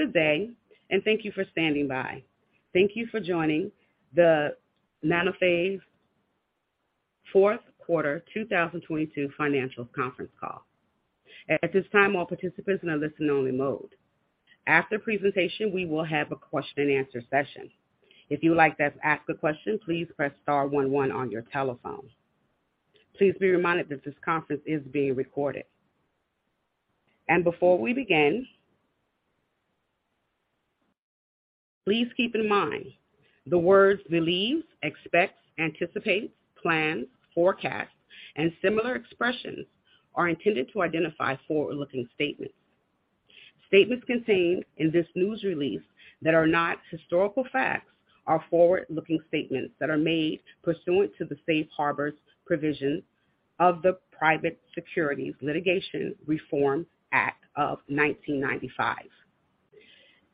Good day, thank you for standing by. Thank you for joining the Nanophase fourth quarter 2022 financial conference call. At this time, all participants are in a listen-only mode. After presentation, we will have a question-and-answer session. If you would like to ask a question, please press star one one on your telephone. Please be reminded that this conference is being recorded. Before we begin, please keep in mind the words believes, expects, anticipates, plans, forecasts, and similar expressions are intended to identify forward-looking statements. Statements contained in this news release that are not historical facts are forward-looking statements that are made pursuant to the safe harbors provision of the Private Securities Litigation Reform Act of 1995.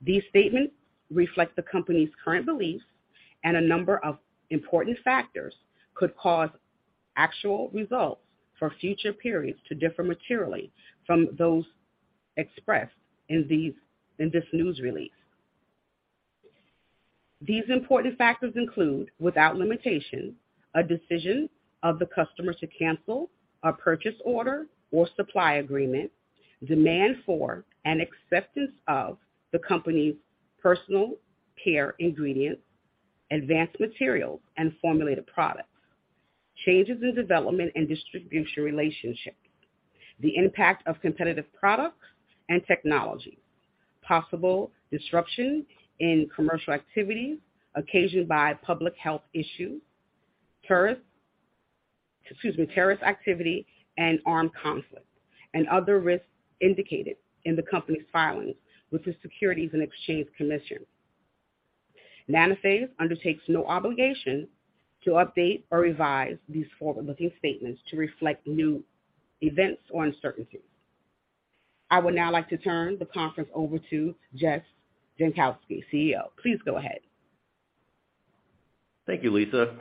These statements reflect the company's current beliefs. A number of important factors could cause actual results for future periods to differ materially from those expressed in this news release. These important factors include, without limitation, a decision of the customer to cancel a purchase order or supply agreement, demand for and acceptance of the company's personal care ingredients, advanced materials, and formulated products. Changes in development and distribution relationships. The impact of competitive products and technology. Possible disruptions in commercial activity occasioned by public health issues, terrorist activity and armed conflict, and other risks indicated in the company's filings with the Securities and Exchange Commission. Nanophase undertakes no obligation to update or revise these forward-looking statements to reflect new events or uncertainties. I would now like to turn the conference over to Jess Jankowski, CEO. Please go ahead. Thank you, Lisa.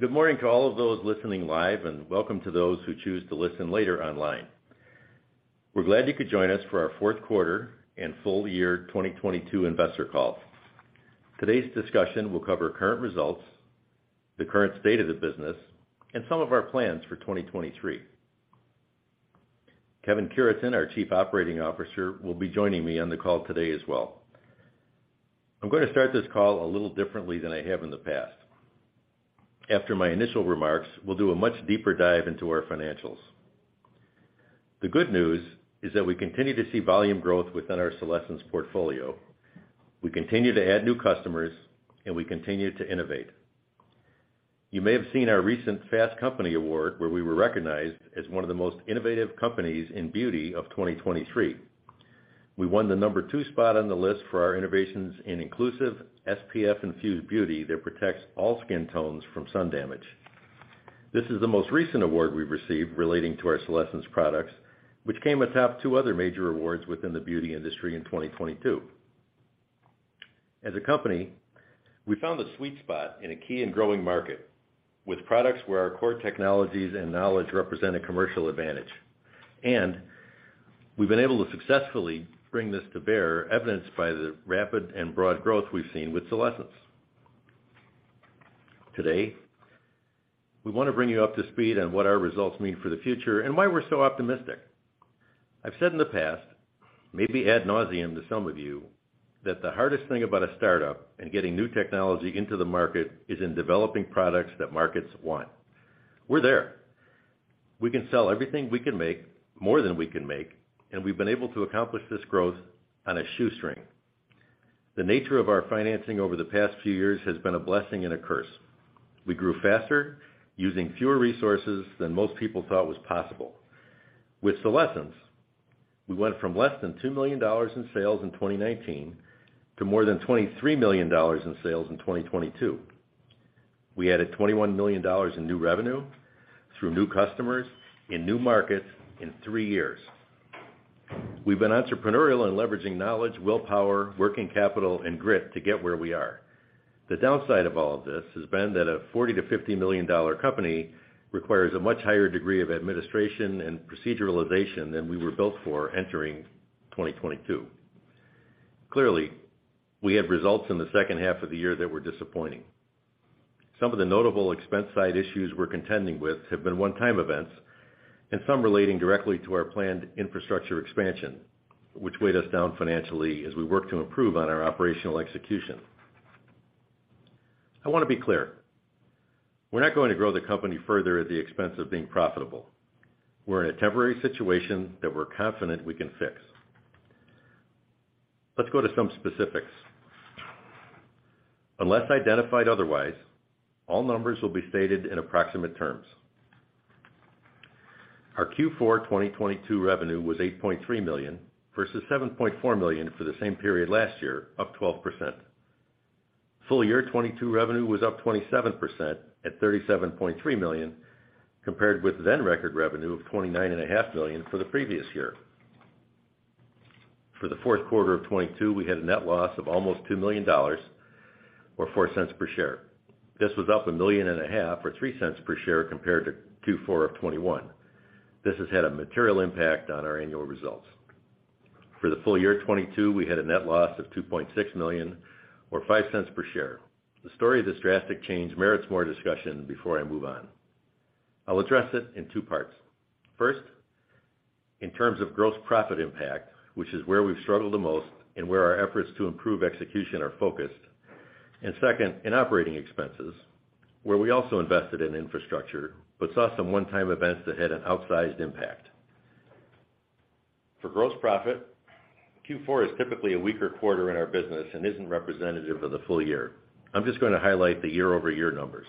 Good morning to all of those listening live, welcome to those who choose to listen later online. We're glad you could join us for our fourth quarter and full year 2022 investor call. Today's discussion will cover current results, the current state of the business, and some of our plans for 2023. Kevin Cureton, our Chief Operating Officer, will be joining me on the call today as well. I'm gonna start this call a little differently than I have in the past. After my initial remarks, we'll do a much deeper dive into our financials. The good news is that we continue to see volume growth within our Solésence portfolio. We continue to add new customers, we continue to innovate. You may have seen our recent Fast Company award, where we were recognized as one of the most innovative companies in beauty of 2023. We won the two spot on the list for our innovations in inclusive SPF infused beauty that protects all skin tones from sun damage. This is the most recent award we've received relating to our Solésence products, which came atop two other major awards within the beauty industry in 2022. As a company, we found the sweet spot in a key and growing market with products where our core technologies and knowledge represent a commercial advantage. We've been able to successfully bring this to bear, evidenced by the rapid and broad growth we've seen with Solésence. Today, we wanna bring you up to speed on what our results mean for the future and why we're so optimistic. I've said in the past, maybe ad nauseam to some of you, that the hardest thing about a start-up and getting new technology into the market is in developing products that markets want. We're there. We can sell everything we can make, more than we can make, and we've been able to accomplish this growth on a shoestring. The nature of our financing over the past few years has been a blessing and a curse. We grew faster using fewer resources than most people thought was possible. With Solésence, we went from less than $2 million in sales in 2019 to more than $23 million in sales in 2022. We added $21 million in new revenue through new customers in new markets in three years. We've been entrepreneurial in leveraging knowledge, willpower, working capital, and grit to get where we are. The downside of all of this has been that a $40 million-$50 million company requires a much higher degree of administration and proceduralization than we were built for entering 2022. Clearly, we had results in the second half of the year that were disappointing. Some of the notable expense side issues we're contending with have been one-time events and some relating directly to our planned infrastructure expansion, which weighed us down financially as we work to improve on our operational execution. I wanna be clear, we're not going to grow the company further at the expense of being profitable. We're in a temporary situation that we're confident we can fix. Let's go to some specifics. Unless identified otherwise, all numbers will be stated in approximate terms. Our Q4 2022 revenue was $8.3 million versus $7.4 million for the same period last year, up 12%. Full year 2022 revenue was up 27% at $37.3 million, compared with then record revenue of $29.5 million for the previous year. For the fourth quarter of 2022, we had a net loss of almost $2 million, or $0.04 per share. This was up a $1.5 million, or $0.03 per share compared to Q4 of 2021. This has had a material impact on our annual results. For the full year 2022, we had a net loss of $2.6 million or $0.05 per share. The story of this drastic change merits more discussion before I move on. I'll address it in two parts. First, in terms of gross profit impact, which is where we've struggled the most and where our efforts to improve execution are focused. Second, in operating expenses, where we also invested in infrastructure but saw some one-time events that had an outsized impact. For gross profit, Q4 is typically a weaker quarter in our business and isn't representative of the full year. I'm just gonna highlight the year-over-year numbers.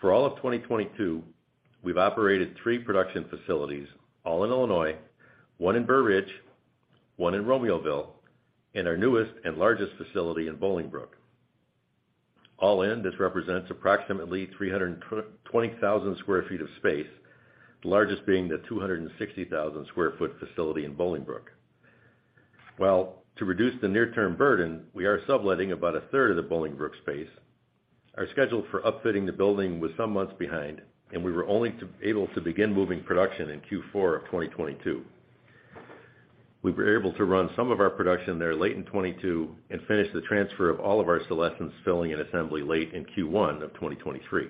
For all of 2022, we've operated three production facilities, all in Illinois, one in Burr Ridge, one in Romeoville, and our newest and largest facility in Bolingbrook. All in, this represents approximately 320,000 sq ft of space, the largest being the 260,000 sq ft facility in Bolingbrook. While to reduce the near-term burden, we are subletting about 1/3 of the Bolingbrook space. Our schedule for upfitting the building was some months behind, we were only able to begin moving production in Q4 of 2022. We were able to run some of our production there late in 2022 and finish the transfer of all of our Solésence filling and assembly late in Q1 of 2023.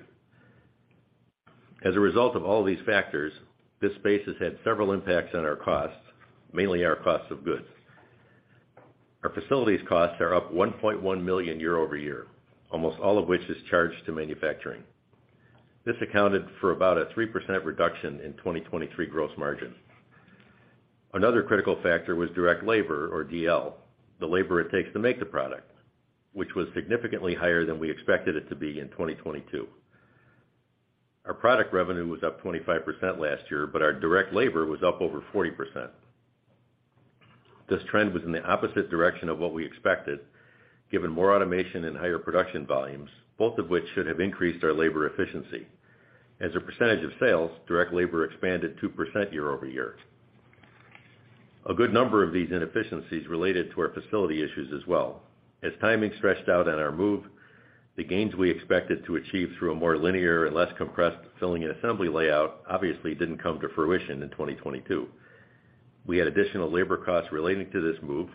As a result of all these factors, this space has had several impacts on our costs, mainly our costs of goods. Our facilities costs are up $1.1 million year-over-year, almost all of which is charged to manufacturing. This accounted for about a 3% reduction in 2023 gross margin. Another critical factor was direct labor or DL, the labor it takes to make the product, which was significantly higher than we expected it to be in 2022. Our product revenue was up 25% last year, but our direct labor was up over 40%. This trend was in the opposite direction of what we expected, given more automation and higher production volumes, both of which should have increased our labor efficiency. As a percentage of sales, direct labor expanded 2% year-over-year. A good number of these inefficiencies related to our facility issues as well. As timing stretched out on our move, the gains we expected to achieve through a more linear and less compressed filling and assembly layout obviously didn't come to fruition in 2022. We had additional labor costs relating to this move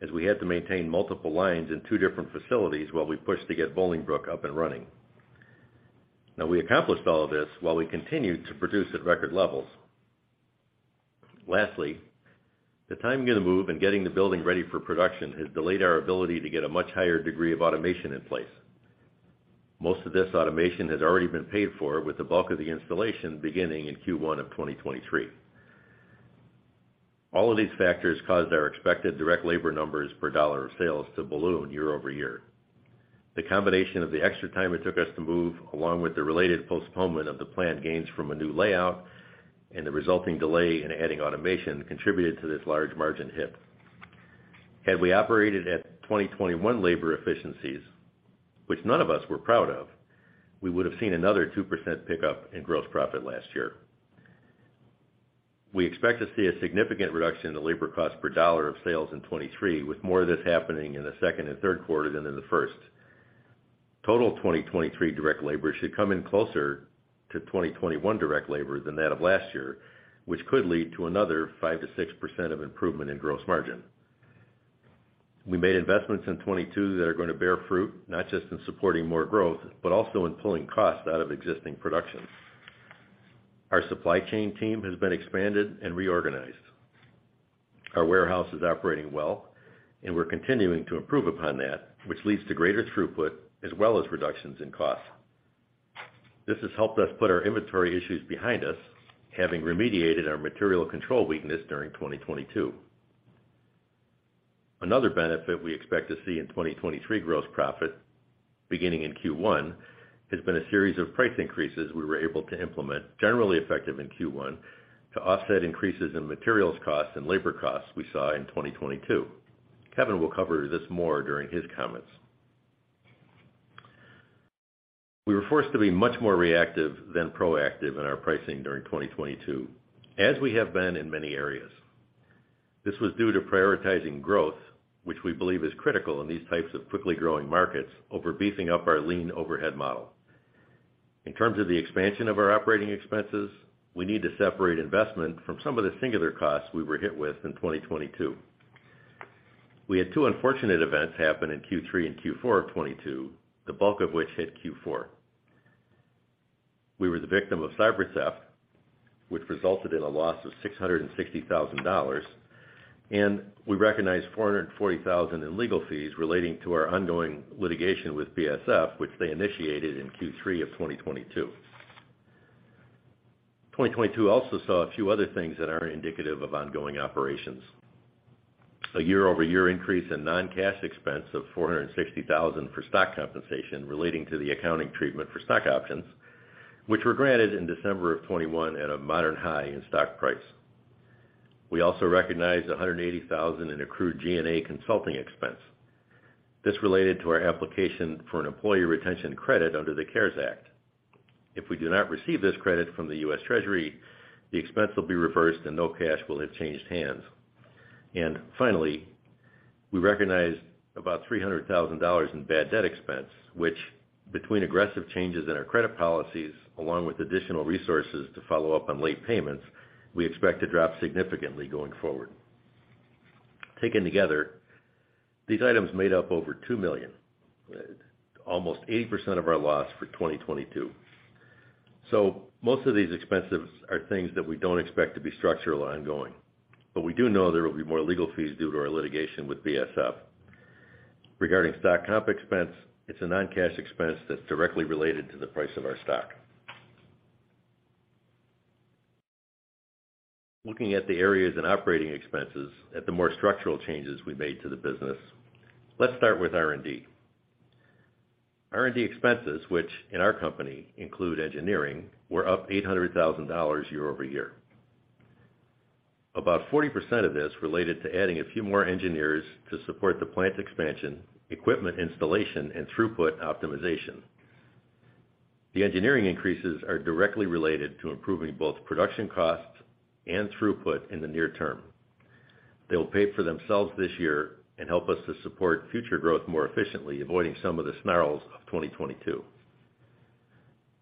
as we had to maintain multiple lines in two different facilities while we pushed to get Bolingbrook up and running. Now, we accomplished all of this while we continued to produce at record levels. Lastly, the time gonna move and getting the building ready for production has delayed our ability to get a much higher degree of automation in place. Most of this automation has already been paid for with the bulk of the installation beginning in Q1 of 2023. All of these factors caused our expected direct labor numbers per dollar of sales to balloon year-over-year. The combination of the extra time it took us to move, along with the related postponement of the planned gains from a new layout and the resulting delay in adding automation contributed to this large margin hit. Had we operated at 2021 labor efficiencies, which none of us were proud of, we would have seen another 2% pickup in gross profit last year. We expect to see a significant reduction in the labor cost per dollar of sales in 2023, with more of this happening in the second and third quarter than in the first. Total 2023 direct labor should come in closer to 2021 direct labor than that of last year, which could lead to another 5%-6% of improvement in gross margin. We made investments in 2022 that are gonna bear fruit, not just in supporting more growth, but also in pulling costs out of existing production. Our supply chain team has been expanded and reorganized. Our warehouse is operating well, and we're continuing to improve upon that, which leads to greater throughput as well as reductions in costs. This has helped us put our inventory issues behind us, having remediated our material control weakness during 2022. Another benefit we expect to see in 2023 gross profit, beginning in Q1, has been a series of price increases we were able to implement, generally effective in Q1, to offset increases in materials costs and labor costs we saw in 2022. Kevin will cover this more during his comments. We were forced to be much more reactive than proactive in our pricing during 2022, as we have been in many areas. This was due to prioritizing growth, which we believe is critical in these types of quickly growing markets over beefing up our lean overhead model. In terms of the expansion of our operating expenses, we need to separate investment from some of the singular costs we were hit with in 2022. We had two unfortunate events happen in Q3 and Q4 of 2022, the bulk of which hit Q4. We were the victim of cyber theft, which resulted in a loss of $660,000. We recognized $440,000 in legal fees relating to our ongoing litigation with BASF, which they initiated in Q3 of 2022. 2022 also saw a few other things that aren't indicative of ongoing operations. A year-over-year increase in non-cash expense of $460,000 for stock compensation relating to the accounting treatment for stock options, which were granted in December of 2021 at a modern high in stock price. We also recognized $180,000 in accrued G&A consulting expense. This related to our application for an Employee Retention Credit under the CARES Act. If we do not receive this credit from the U.S. Treasury, the expense will be reversed, and no cash will have changed hands. Finally, we recognized about $300,000 in bad debt expense, which between aggressive changes in our credit policies, along with additional resources to follow up on late payments, we expect to drop significantly going forward. Taken together, these items made up over $2 million, almost 80% of our loss for 2022. Most of these expenses are things that we don't expect to be structural ongoing, but we do know there will be more legal fees due to our litigation with BASF. Regarding stock comp expense, it's a non-cash expense that's directly related to the price of our stock. Looking at the areas in operating expenses at the more structural changes we made to the business, let's start with R&D. R&D expenses, which in our company include engineering, were up $800,000 year-over-year. About 40% of this related to adding a few more engineers to support the plant expansion, equipment installation, and throughput optimization. The engineering increases are directly related to improving both production costs and throughput in the near term. They will pay for themselves this year and help us to support future growth more efficiently, avoiding some of the snarls of 2022.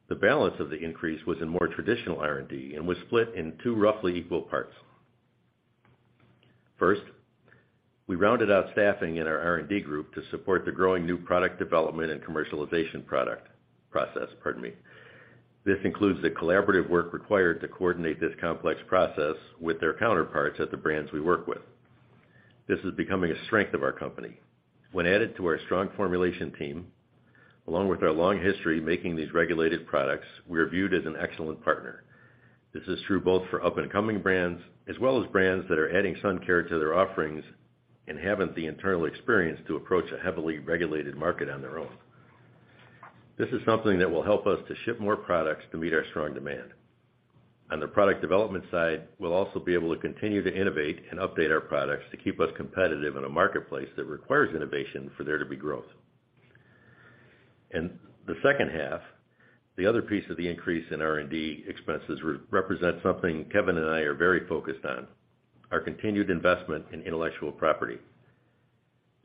The balance of the increase was in more traditional R&D and was split in two roughly equal parts. First, we rounded out staffing in our R&D group to support the growing new product development and commercialization process. This includes the collaborative work required to coordinate this complex process with their counterparts at the brands we work with. This is becoming a strength of our company. When added to our strong formulation team, along with our long history making these regulated products, we are viewed as an excellent partner. This is true both for up-and-coming brands as well as brands that are adding sun care to their offerings and haven't the internal experience to approach a heavily regulated market on their own. This is something that will help us to ship more products to meet our strong demand. On the product development side, we'll also be able to continue to innovate and update our products to keep us competitive in a marketplace that requires innovation for there to be growth. In the second half, the other piece of the increase in R&D expenses represent something Kevin and I are very focused on, our continued investment in intellectual property.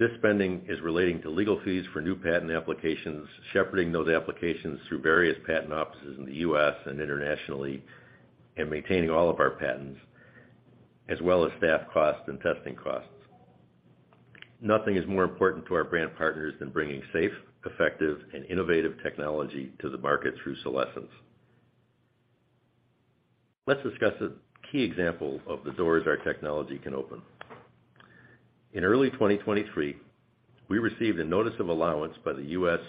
This spending is relating to legal fees for new patent applications, shepherding those applications through various patent offices in the U.S. and internationally, and maintaining all of our patents, as well as staff costs and testing costs. Nothing is more important to our brand partners than bringing safe, effective, and innovative technology to the market through Solésence. Let's discuss a key example of the doors our technology can open. In early 2023, we received a Notice of Allowance by the U.S.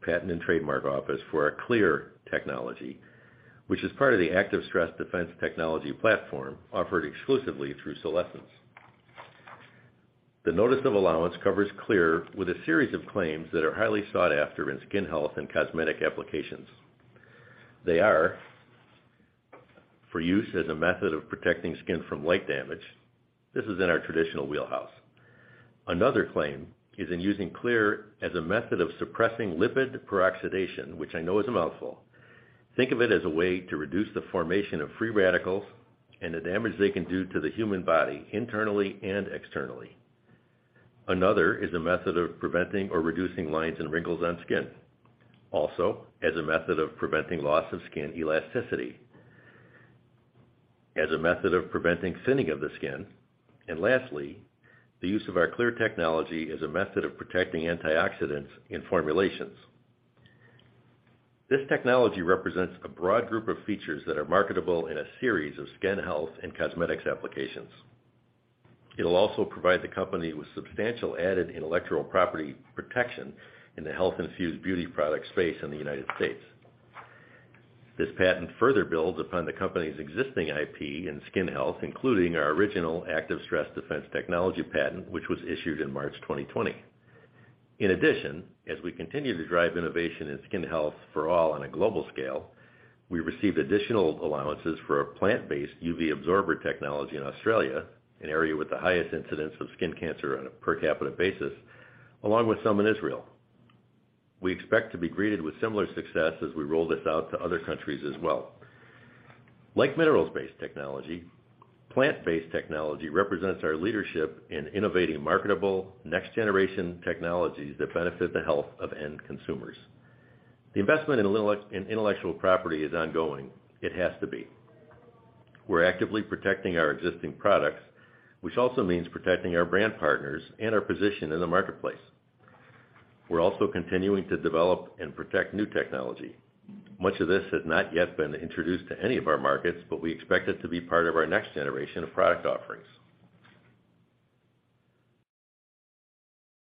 Patent and Trademark Office for our Kleair technology, which is part of the Active Stress Defense technology platform offered exclusively through Solésence. The Notice of Allowance covers Kleair with a series of claims that are highly sought after in skin health and cosmetic applications. They are for use as a method of protecting skin from light damage. This is in our traditional wheelhouse. Another claim is in using Kleair as a method of suppressing lipid peroxidation, which I know is a mouthful. Think of it as a way to reduce the formation of free radicals and the damage they can do to the human body internally and externally. Another is a method of preventing or reducing lines and wrinkles on skin. As a method of preventing loss of skin elasticity. As a method of preventing thinning of the skin. Lastly, the use of our Kleair technology as a method of protecting antioxidants in formulations. This technology represents a broad group of features that are marketable in a series of skin health and cosmetics applications. It'll also provide the company with substantial added intellectual property protection in the health-infused beauty product space in the United States. This patent further builds upon the company's existing IP in skin health, including our original Active Stress Defense technology patent, which was issued in March 2020. In addition, as we continue to drive innovation in skin health for all on a global scale, we received additional allowances for our plant-based UV absorber technology in Australia, an area with the highest incidence of skin cancer on a per capita basis, along with some in Israel. We expect to be greeted with similar success as we roll this out to other countries as well. Like mineral-based technology, plant-based technology represents our leadership in innovating marketable next-generation technologies that benefit the health of end consumers. The investment in intellectual property is ongoing. It has to be. We're actively protecting our existing products, which also means protecting our brand partners and our position in the marketplace. We're also continuing to develop and protect new technology. Much of this has not yet been introduced to any of our markets, but we expect it to be part of our next generation of product offerings.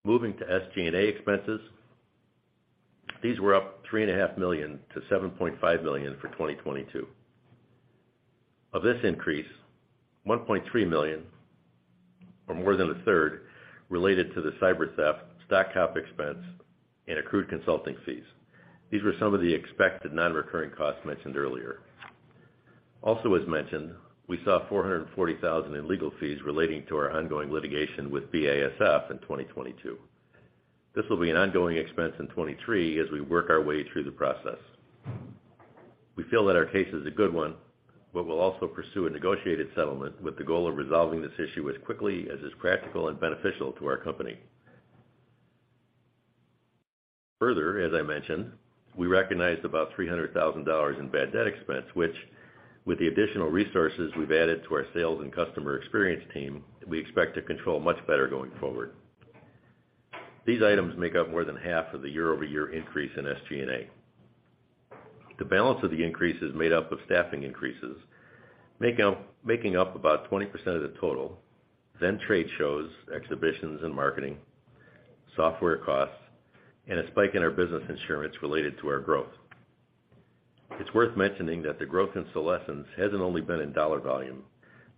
Moving to SG&A expenses, these were up $3.5 million to $7.5 million for 2022. Of this increase, $1.3 million, or more than 1/3, related to the cyber theft, stock comp expense, and accrued consulting fees. These were some of the expected non-recurring costs mentioned earlier. As mentioned, we saw $440,000 in legal fees relating to our ongoing litigation with BASF in 2022. This will be an ongoing expense in 2023 as we work our way through the process. We feel that our case is a good one. We'll also pursue a negotiated settlement with the goal of resolving this issue as quickly as is practical and beneficial to our company. As I mentioned, we recognized about $300,000 in bad debt expense, which with the additional resources we've added to our sales and customer experience team, we expect to control much better going forward. These items make up more than half of the year-over-year increase in SG&A. The balance of the increase is made up of staffing increases, making up about 20% of the total. Trade shows, exhibitions and marketing, software costs, and a spike in our business insurance related to our growth. It's worth mentioning that the growth in Solésence hasn't only been in dollar volume,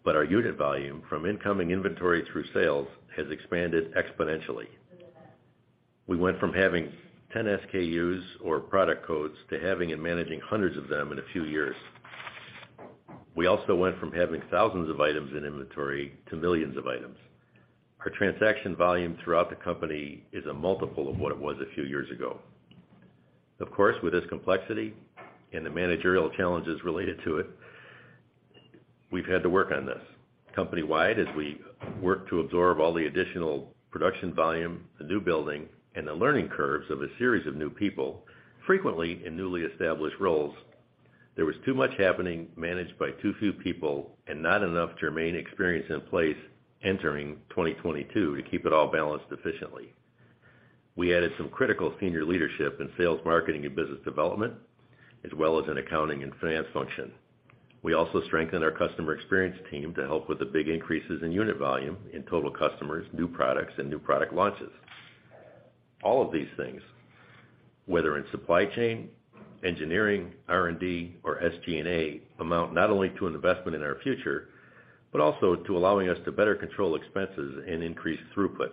but our unit volume from incoming inventory through sales has expanded exponentially. We went from having 10 SKUs or product codes to having and managing hundreds of them in a few years. We also went from having thousands of items in inventory to millions of items. Our transaction volume throughout the company is a multiple of what it was a few years ago. Of course, with this complexity and the managerial challenges related to it, we've had to work on this. Company-wide, as we work to absorb all the additional production volume, the new building, and the learning curves of a series of new people, frequently in newly established roles, there was too much happening managed by too few people, and not enough germane experience in place entering 2022 to keep it all balanced efficiently. We added some critical senior leadership in sales, marketing, and business development, as well as in accounting and finance function. We also strengthened our customer experience team to help with the big increases in unit volume in total customers, new products, and new product launches. All of these things, whether in supply chain, engineering, R&D, or SG&A, amount not only to an investment in our future, but also to allowing us to better control expenses and increase throughput.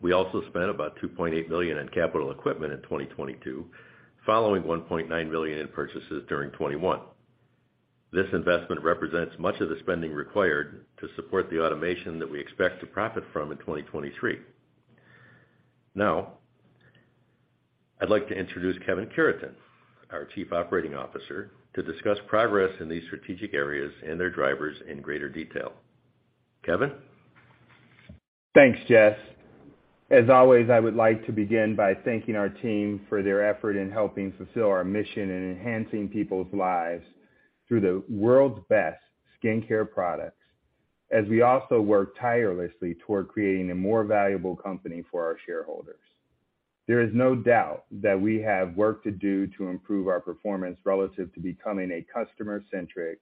We also spent about $2.8 million in capital equipment in 2022, following $1.9 million in purchases during 2021. This investment represents much of the spending required to support the automation that we expect to profit from in 2023. I'd like to introduce Kevin Cureton, our Chief Operating Officer, to discuss progress in these strategic areas and their drivers in greater detail. Kevin? Thanks, Jess. As always, I would like to begin by thanking our team for their effort in helping fulfill our mission in enhancing people's lives through the world's best skincare products, as we also work tirelessly toward creating a more valuable company for our shareholders. There is no doubt that we have work to do to improve our performance relative to becoming a customer-centric,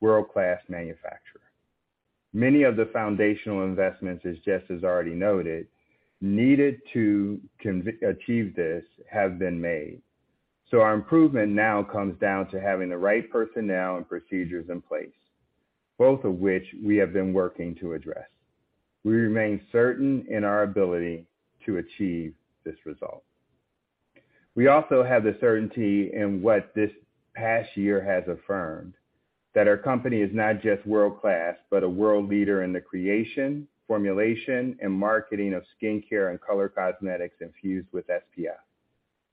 world-class manufacturer. Many of the foundational investments, as Jess has already noted, needed to achieve this have been made. Our improvement now comes down to having the right personnel and procedures in place, both of which we have been working to address. We remain certain in our ability to achieve this result. We also have the certainty in what this past year has affirmed, that our company is not just world-class, but a world leader in the creation, formulation, and marketing of skincare and color cosmetics infused with SPF,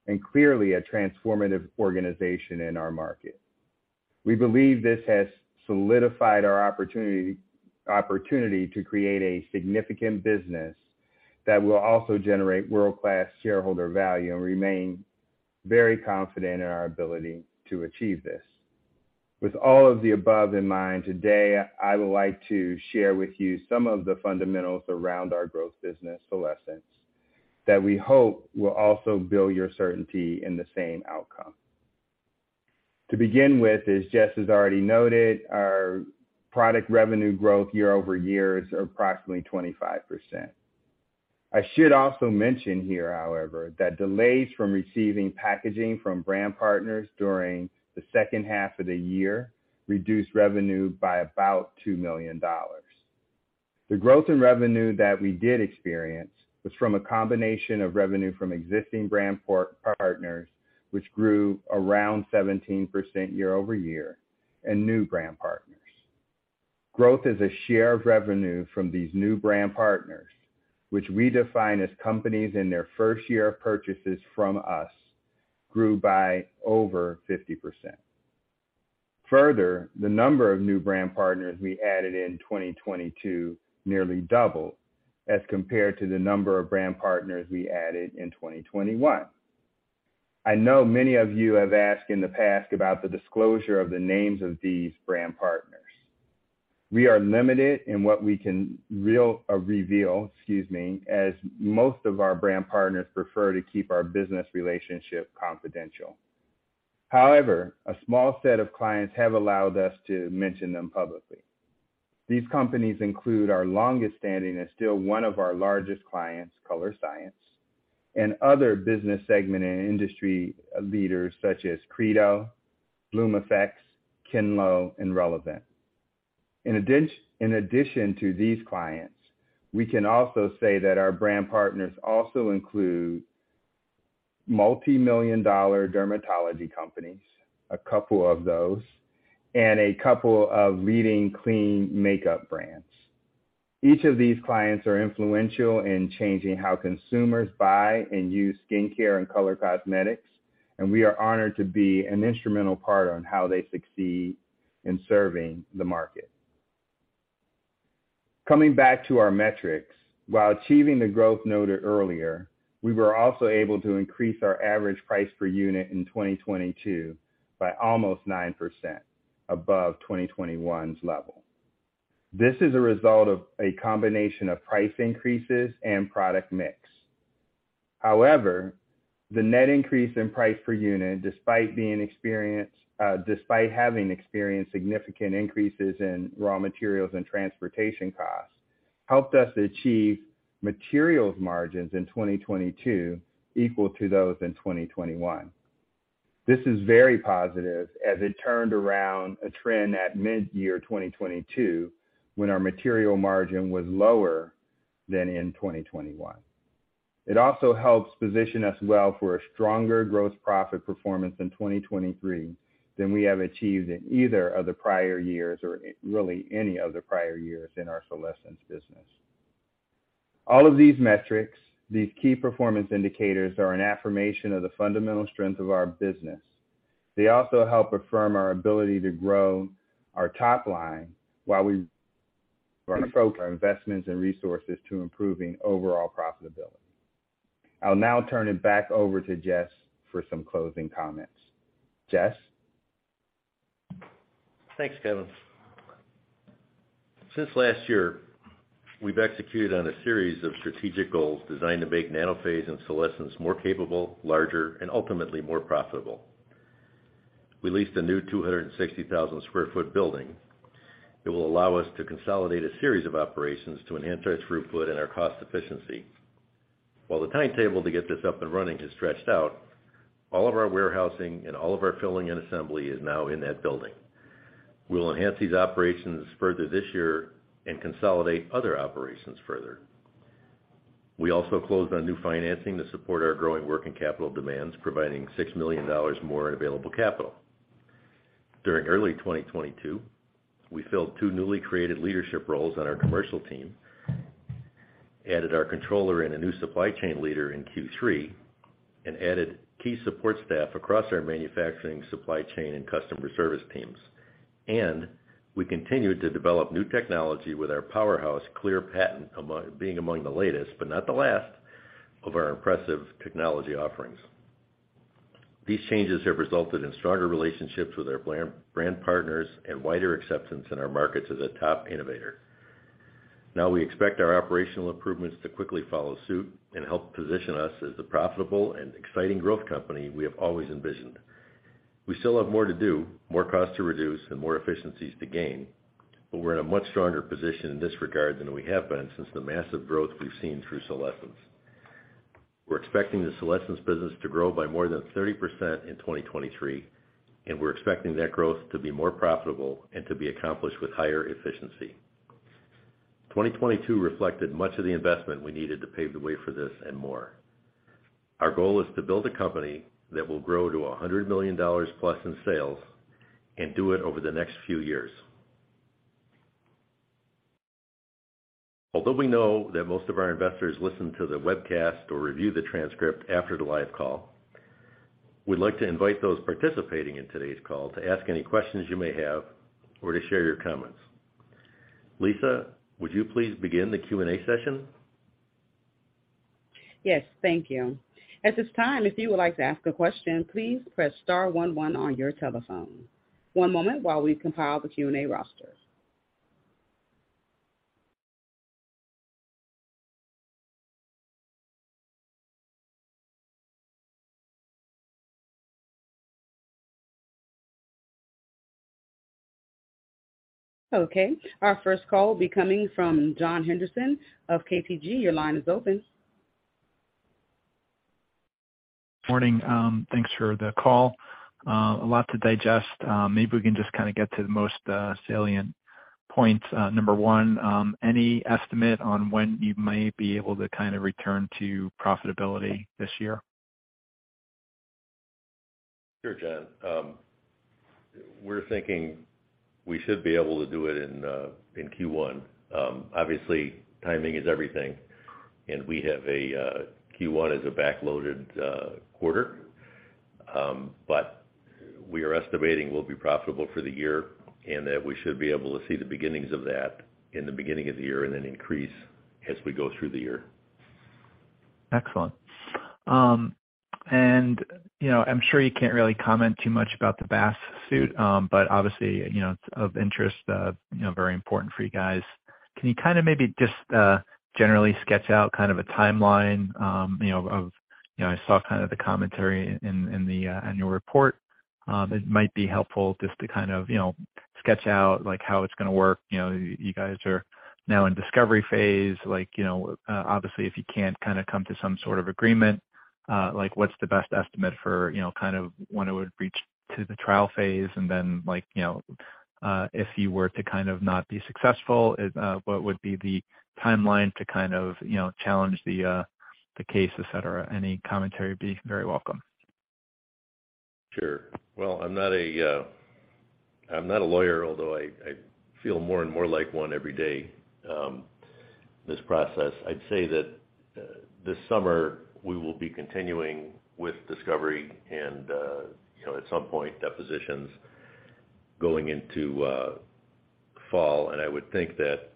and clearly a transformative organization in our market. We believe this has solidified our opportunity to create a significant business that will also generate world-class shareholder value and remain very confident in our ability to achieve this. With all of the above in mind today, I would like to share with you some of the fundamentals around our growth business, Solésence, that we hope will also build your certainty in the same outcome. To begin with, as Jess has already noted, our product revenue growth year-over-year is approximately 25%. I should also mention here, however, that delays from receiving packaging from brand partners during the second half of the year reduced revenue by about $2 million. The growth in revenue that we did experience was from a combination of revenue from existing brand partners, which grew around 17% year-over-year, and new brand partners. Growth as a share of revenue from these new brand partners, which we define as companies in their first year of purchases from us, grew by over 50%. The number of new brand partners we added in 2022 nearly doubled as compared to the number of brand partners we added in 2021. I know many of you have asked in the past about the disclosure of the names of these brand partners. We are limited in what we can reveal, excuse me, as most of our brand partners prefer to keep our business relationship confidential. However, a small set of clients have allowed us to mention them publicly. These companies include our longest standing and still one of our largest clients, Colorescience, and other business segment and industry leaders such as Credo, BLOOMEFFECTS, KINLÒ, and Relevant. In addition to these clients, we can also say that our brand partners also include multi-million dollar dermatology companies, a couple of those, and a couple of leading clean makeup brands. Each of these clients are influential in changing how consumers buy and use skincare and color cosmetics, and we are honored to be an instrumental part on how they succeed in serving the market. Coming back to our metrics, while achieving the growth noted earlier, we were also able to increase our average price per unit in 2022 by almost 9% above 2021's level. This is a result of a combination of price increases and product mix. The net increase in price per unit, despite being experienced, despite having experienced significant increases in raw materials and transportation costs, helped us achieve materials margins in 2022 equal to those in 2021. This is very positive as it turned around a trend at mid-year 2022 when our material margin was lower than in 2021. It also helps position us well for a stronger growth profit performance in 2023 than we have achieved in either of the prior years or really any of the prior years in our Solésence business. All of these metrics, these key performance indicators, are an affirmation of the fundamental strength of our business. They also help affirm our ability to grow our top line while we our investments and resources to improving overall profitability. I'll now turn it back over to Jess for some closing comments. Jess? Thanks, Kevin. Since last year, we've executed on a series of strategic goals designed to make Nanophase and Solésence more capable, larger, and ultimately more profitable. We leased a new 260,000 sq ft building that will allow us to consolidate a series of operations to enhance our throughput and our cost efficiency. While the timetable to get this up and running has stretched out, all of our warehousing and all of our filling and assembly is now in that building. We will enhance these operations further this year and consolidate other operations further. We also closed on new financing to support our growing working capital demands, providing $6 million more in available capital. During early 2022, we filled two newly created leadership roles on our commercial team, added our controller and a new supply chain leader in Q3, added key support staff across our manufacturing, supply chain, and customer service teams. We continued to develop new technology with our powerhouse Kleair patent among the latest, but not the last of our impressive technology offerings. These changes have resulted in stronger relationships with our brand partners and wider acceptance in our markets as a top innovator. Now we expect our operational improvements to quickly follow suit and help position us as the profitable and exciting growth company we have always envisioned. We still have more to do, more cost to reduce, and more efficiencies to gain, we're in a much stronger position in this regard than we have been since the massive growth we've seen through Solésence. We're expecting the Solésence business to grow by more than 30% in 2023, and we're expecting that growth to be more profitable and to be accomplished with higher efficiency. 2022 reflected much of the investment we needed to pave the way for this and more. Our goal is to build a company that will grow to a $100 million+ in sales and do it over the next few years. Although we know that most of our investors listen to the webcast or review the transcript after the live call, we'd like to invite those participating in today's call to ask any questions you may have or to share your comments. Lisa, would you please begin the Q&A session? Yes, thank you. At this time, if you would like to ask a question, please press star one one on your telephone. One moment while we compile the Q&A roster. Okay, our first call will be coming from John Henderson of KPG. Your line is open. Morning. Thanks for the call. A lot to digest. Maybe we can just kinda get to the most salient points. Number one, any estimate on when you might be able to kinda return to profitability this year? Sure, John. We're thinking we should be able to do it in Q1. Obviously, timing is everything and we have a Q1 is a back-loaded quarter. We are estimating we'll be profitable for the year and that we should be able to see the beginnings of that in the beginning of the year and then increase as we go through the year. Excellent. You know, I'm sure you can't really comment too much about the BASF suit, but obviously, you know, it's of interest, you know, very important for you guys. Can you kinda maybe just generally sketch out kind of a timeline, you know, of, you know, I saw kind of the commentary in the annual report. It might be helpful just to kind of, you know, sketch out like how it's gonna work. You know, you guys are now in discovery phase. Like, you know, obviously if you can't kinda come to some sort of agreement, like what's the best estimate for, you know, kind of when it would reach to the trial phase? Like, you know, if you were to kind of not be successful, what would be the timeline to kind of, you know, challenge the case, et cetera? Any commentary would be very welcome. Sure. Well, I'm not a, I'm not a lawyer, although I feel more and more like one every day, in this process. I'd say that this summer we will be continuing with discovery and, you know, at some point, depositions going into fall. I would think that,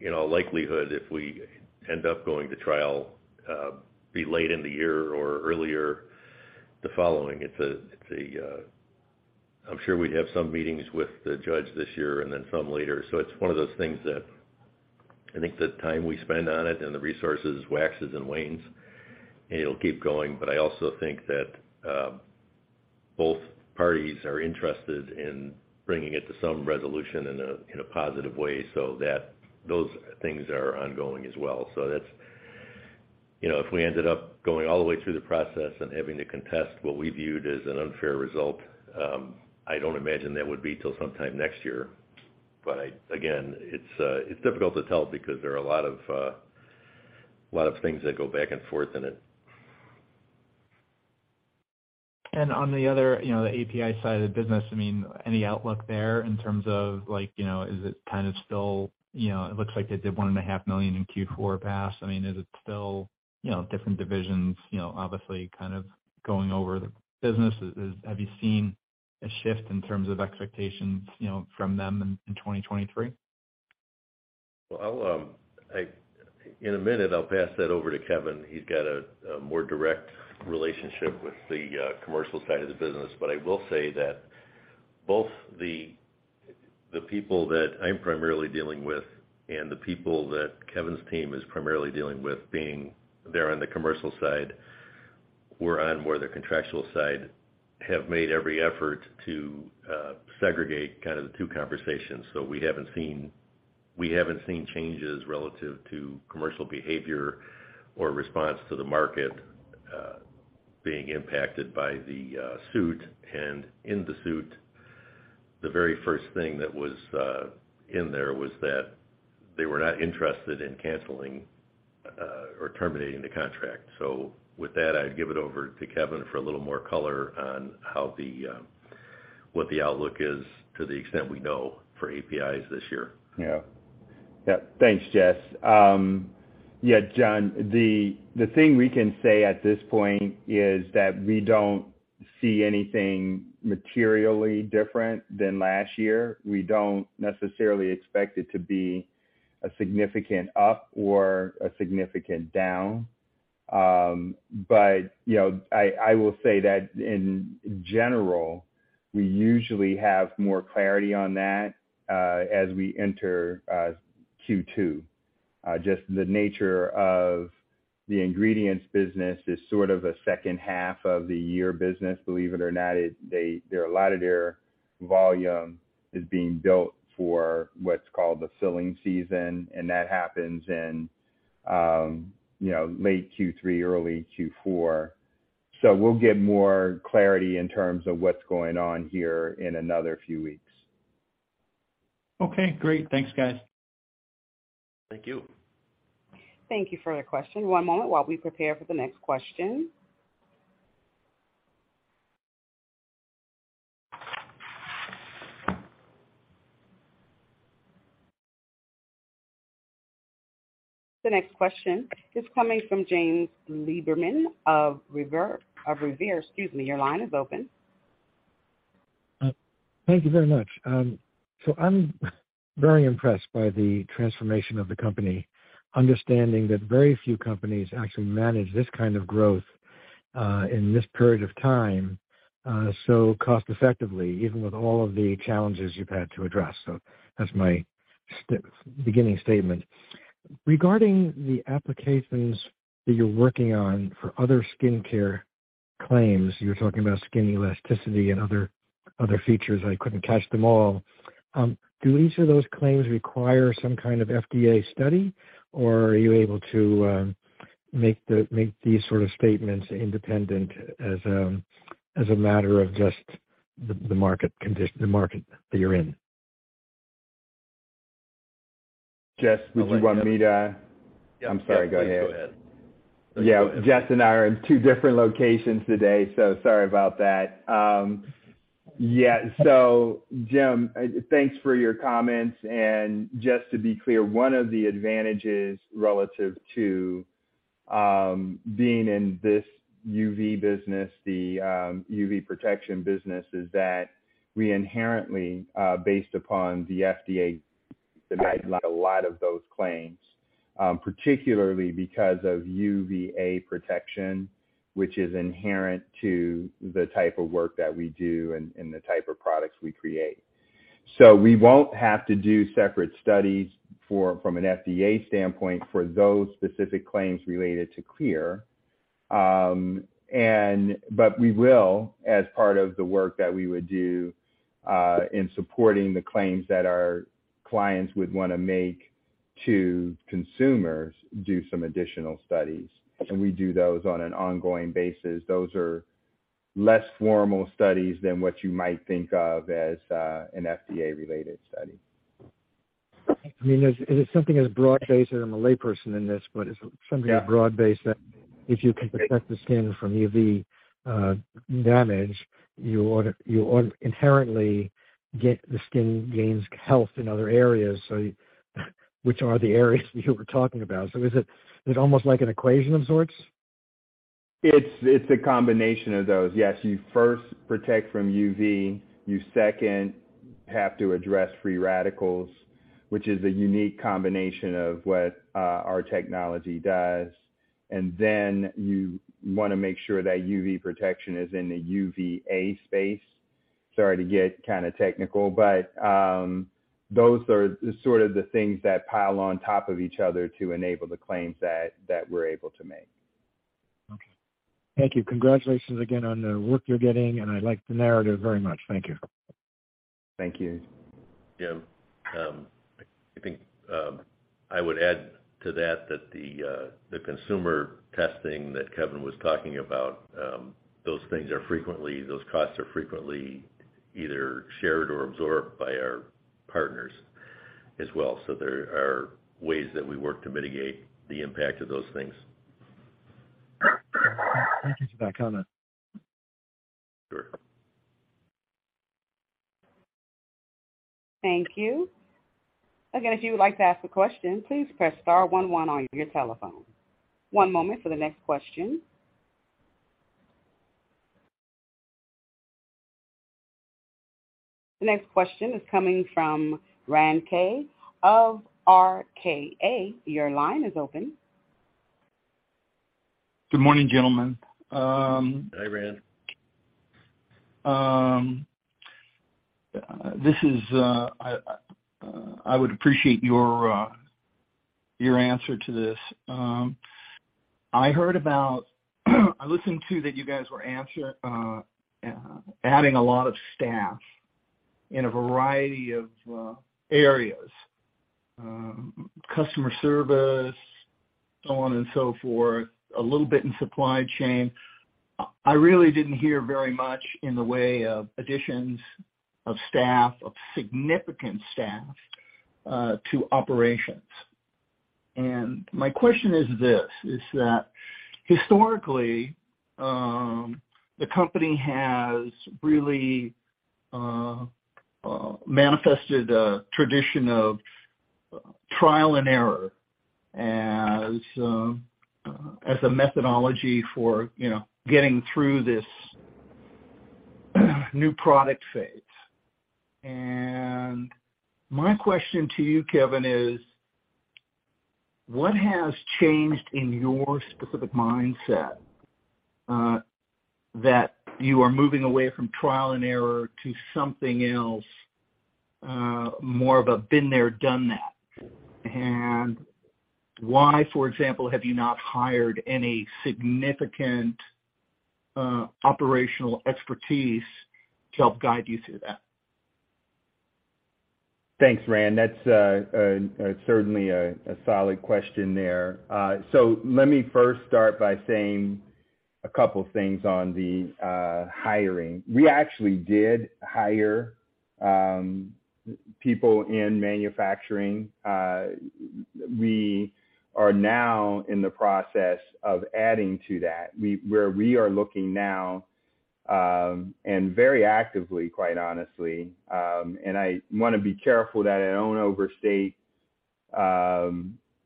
you know, likelihood, if we end up going to trial, be late in the year or earlier the following. It's a, I'm sure we'd have some meetings with the judge this year and then some later. It's one of those things that I think the time we spend on it and the resources waxes and wanes, and it'll keep going. I also think that both parties are interested in bringing it to some resolution in a, in a positive way so that those things are ongoing as well. That's, you know, if we ended up going all the way through the process and having to contest what we viewed as an unfair result, I don't imagine that would be till sometime next year. Again, it's difficult to tell because there are a lot of, a lot of things that go back and forth in it. On the other, you know, the API side of the business, I mean, any outlook there in terms of like, you know, is it kind of still... You know, it looks like they did $1.5 million in Q4 pass. I mean, is it still, you know, different divisions, you know, obviously kind of going over the business? Is have you seen a shift in terms of expectations, you know, from them in 2023? Well, I'll In a minute, I'll pass that over to Kevin. He's got a more direct relationship with the commercial side of the business. I will say that both the people that I'm primarily dealing with and the people that Kevin's team is primarily dealing with, being there on the commercial side, we're on more the contractual side, have made every effort to segregate kind of the two conversations. We haven't seen changes relative to commercial behavior or response to the market, being impacted by the suit. In the suit, the very first thing that was in there was that they were not interested in canceling or terminating the contract. With that, I'd give it over to Kevin for a little more color on how the, what the outlook is to the extent we know for APIs this year. Yeah. Yeah. Thanks, Jess. Yeah, John, the thing we can say at this point is that we don't see anything materially different than last year. We don't necessarily expect it to be a significant up or a significant down. You know, I will say that in general, we usually have more clarity on that as we enter Q2. Just the nature of the ingredients business is sort of a second half of the year business, believe it or not. A lot of their volume is being built for what's called the filling season, that happens in, you know, late Q3, early Q4. We'll get more clarity in terms of what's going on here in another few weeks. Okay, great. Thanks, guys. Thank you. Thank you for the question. One moment while we prepare for the next question. The next question is coming from James Lieberman of Revere. Excuse me. Your line is open. Thank you very much. I'm very impressed by the transformation of the company, understanding that very few companies actually manage this kind of growth in this period of time, so cost effectively, even with all of the challenges you've had to address. That's my beginning statement. Regarding the applications that you're working on for other skincare claims, you were talking about skin elasticity and other features, I couldn't catch them all. Do each of those claims require some kind of FDA study, or are you able to make these sort of statements independent as a matter of just the market that you're in? Jess, would you want me to- Yeah. I'm sorry. Go ahead. Go ahead. Jess and I are in two different locations today, sorry about that. Jim, thanks for your comments. Just to be clear, one of the advantages relative to being in this UV business, the UV protection business, is that we inherently, based upon the FDA, deny a lot of those claims, particularly because of UVA protection, which is inherent to the type of work that we do and the type of products we create. We won't have to do separate studies from an FDA standpoint for those specific claims related to Kleair. We will, as part of the work that we would do, in supporting the claims that our clients would wanna make to consumers, do some additional studies, and we do those on an ongoing basis. Those are less formal studies than what you might think of as an FDA-related study. I mean, is it something as broad-based, and I'm a layperson in this, but is it something as broad-based that if you can protect the skin from UV damage, you ought inherently get... the skin gains health in other areas? Which are the areas you were talking about? Is it almost like an equation of sorts? It's a combination of those, yes. You first protect from UV. You second have to address free radicals, which is a unique combination of what our technology does. Then you want to make sure that UV protection is in the UVA space. Sorry to get kind of technical, but those are sort of the things that pile on top of each other to enable the claims that we're able to make. Okay. Thank you. Congratulations again on the work you're getting. I like the narrative very much. Thank you. Thank you. Jim, I think, I would add to that the consumer testing that Kevin was talking about, those things are frequently, those costs are frequently either shared or absorbed by our partners as well. There are ways that we work to mitigate the impact of those things. Thank you for that comment. Sure. Thank you. Again, if you would like to ask a question, please press star one one on your telephone. One moment for the next question. The next question is coming from Rand Kay of RKA. Your line is open. Good morning, gentlemen. Hi, Rand. This is, I would appreciate your answer to this. I listened to that you guys were adding a lot of staff in a variety of areas, customer service, so on and so forth, a little bit in supply chain. I really didn't hear very much in the way of additions of staff, of significant staff, to operations. My question is this, is that historically, the company has really manifested a tradition of trial and error as a methodology for, you know, getting through this new product phase. My question to you, Kevin, is what has changed in your specific mindset, that you are moving away from trial and error to something else, more of a been there, done that? Why, for example, have you not hired any significant operational expertise to help guide you through that? Thanks, Rand. That's a, certainly a, solid question there. Let me first start by saying a couple things on the hiring. We actually did hire people in manufacturing. We are now in the process of adding to that. Where we are looking now, and very actively, quite honestly, and I wanna be careful that I don't overstate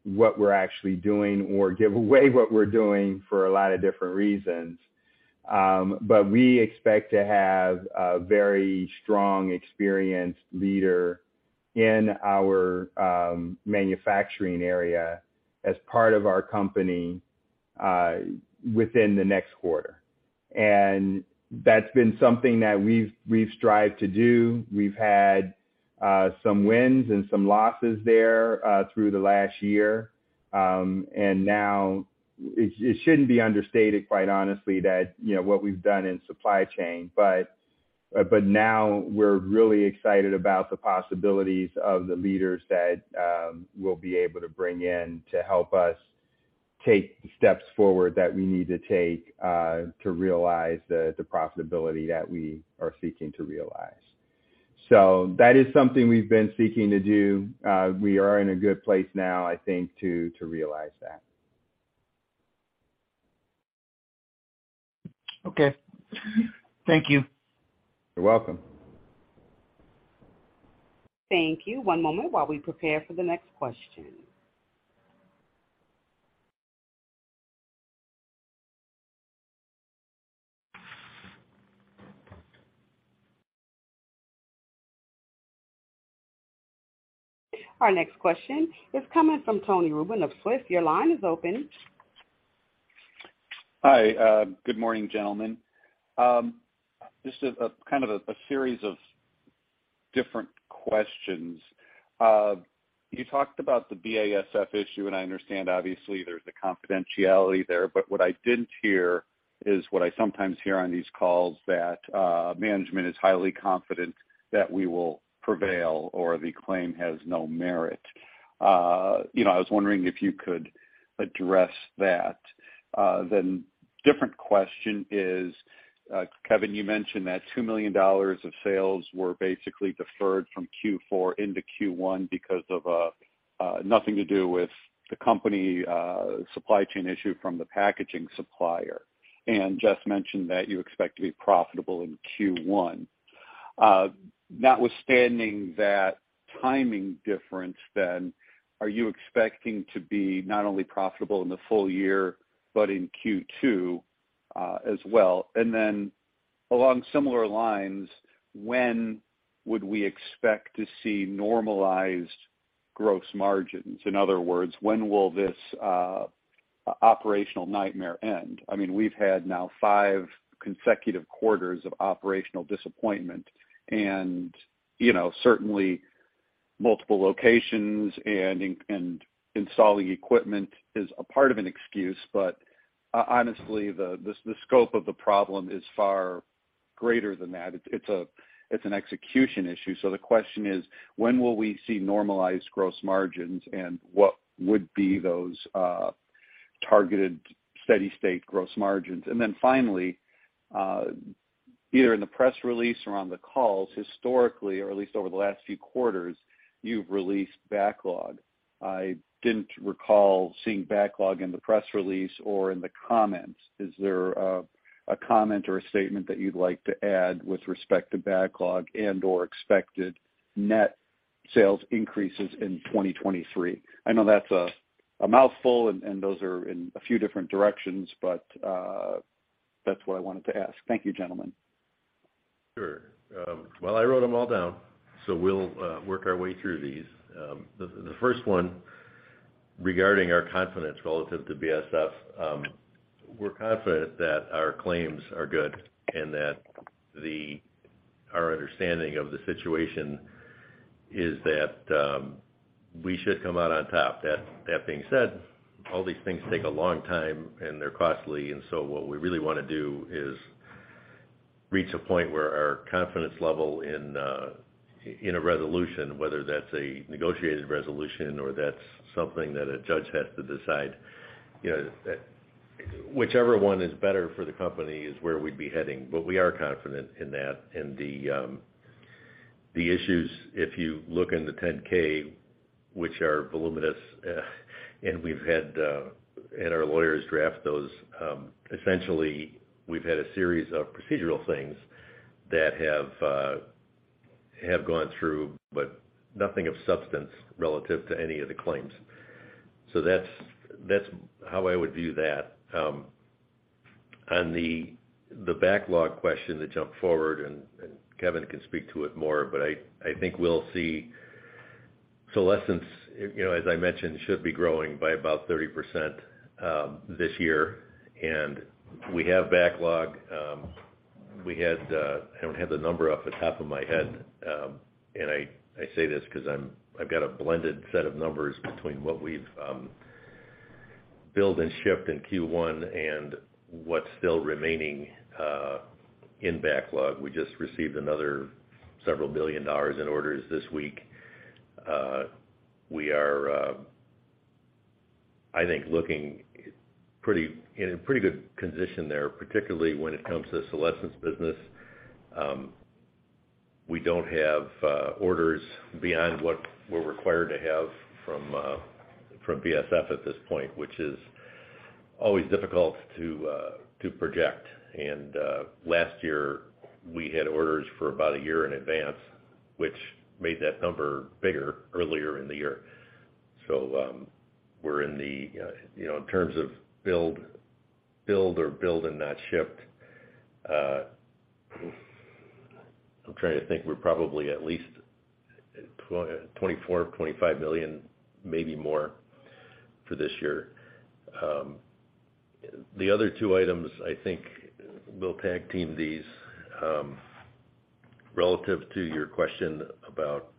what we're actually doing or give away what we're doing for a lot of different reasons. We expect to have a very strong experienced leader in our manufacturing area as part of our company within the next quarter. That's been something that we've strived to do. We've had some wins and some losses there through the last year. Now it shouldn't be understated quite honestly, that, you know, what we've done in supply chain. Now we're really excited about the possibilities of the leaders that we'll be able to bring in to help us take steps forward that we need to take to realize the profitability that we are seeking to realize. That is something we've been seeking to do. We are in a good place now, I think, to realize that. Okay. Thank you. You're welcome. Thank you. One moment while we prepare for the next question. Our next question is coming from Tony Ruben of Swift. Your line is open. Hi. Good morning, gentlemen. This is a, kind of a series of different questions. You talked about the BASF issue, and I understand obviously there's a confidentiality there, but what I didn't hear is what I sometimes hear on these calls, that, management is highly confident that we will prevail or the claim has no merit. You know, I was wondering if you could address that. Different question is, Kevin, you mentioned that $2 million of sales were basically deferred from Q4 into Q1 because of, nothing to do with the company, supply chain issue from the packaging supplier. Jess mentioned that you expect to be profitable in Q1. Notwithstanding that timing difference then, are you expecting to be not only profitable in the full year, but in Q2, as well? Along similar lines, when would we expect to see normalized gross margins? In other words, when will this operational nightmare end? I mean, we've had now five consecutive quarters of operational disappointment. You know, certainly multiple locations and installing equipment is a part of an excuse. Honestly, the scope of the problem is far greater than that. It's an execution issue. The question is: when will we see normalized gross margins, and what would be those targeted steady-state gross margins? Finally, either in the press release or on the calls, historically, or at least over the last few quarters, you've released backlog. I didn't recall seeing backlog in the press release or in the comments. Is there a comment or a statement that you'd like to add with respect to backlog and/or expected net sales increases in 2023? I know that's a mouthful, and those are in a few different directions, but that's what I wanted to ask. Thank you, gentlemen. Sure. Well, I wrote them all down, so we'll work our way through these. The first one regarding our confidence relative to BASF, we're confident that our claims are good, and that our understanding of the situation is that we should come out on top. That being said, all these things take a long time, and they're costly. What we really wanna do is reach a point where our confidence level in a resolution, whether that's a negotiated resolution or that's something that a judge has to decide, you know, whichever one is better for the company is where we'd be heading. We are confident in that. The issues, if you look in the 10-K, which are voluminous, and we've had, and our lawyers draft those, essentially, we've had a series of procedural things that have gone through, but nothing of substance relative to any of the claims. That's, that's how I would view that. On the backlog question, to jump forward, and Kevin can speak to it more, but I think we'll see Solésence, you know, as I mentioned, should be growing by about 30% this year. We have backlog. We had, I don't have the number off the top of my head. And I say this 'cause I've got a blended set of numbers between what we've built and shipped in Q1 and what's still remaining in backlog. We just received another several billion dollars in orders this week. We are, I think looking in a pretty good position there, particularly when it comes to Solésence business. We don't have orders beyond what we're required to have from BASF at this point, which is always difficult to project. Last year, we had orders for about a year in advance, which made that number bigger earlier in the year. We're in the, you know, in terms of build or build and not shipped, I'm trying to think, we're probably at least $24 million-$25 million, maybe more for this year. The other two items, I think we'll tag-team these. Relative to your question about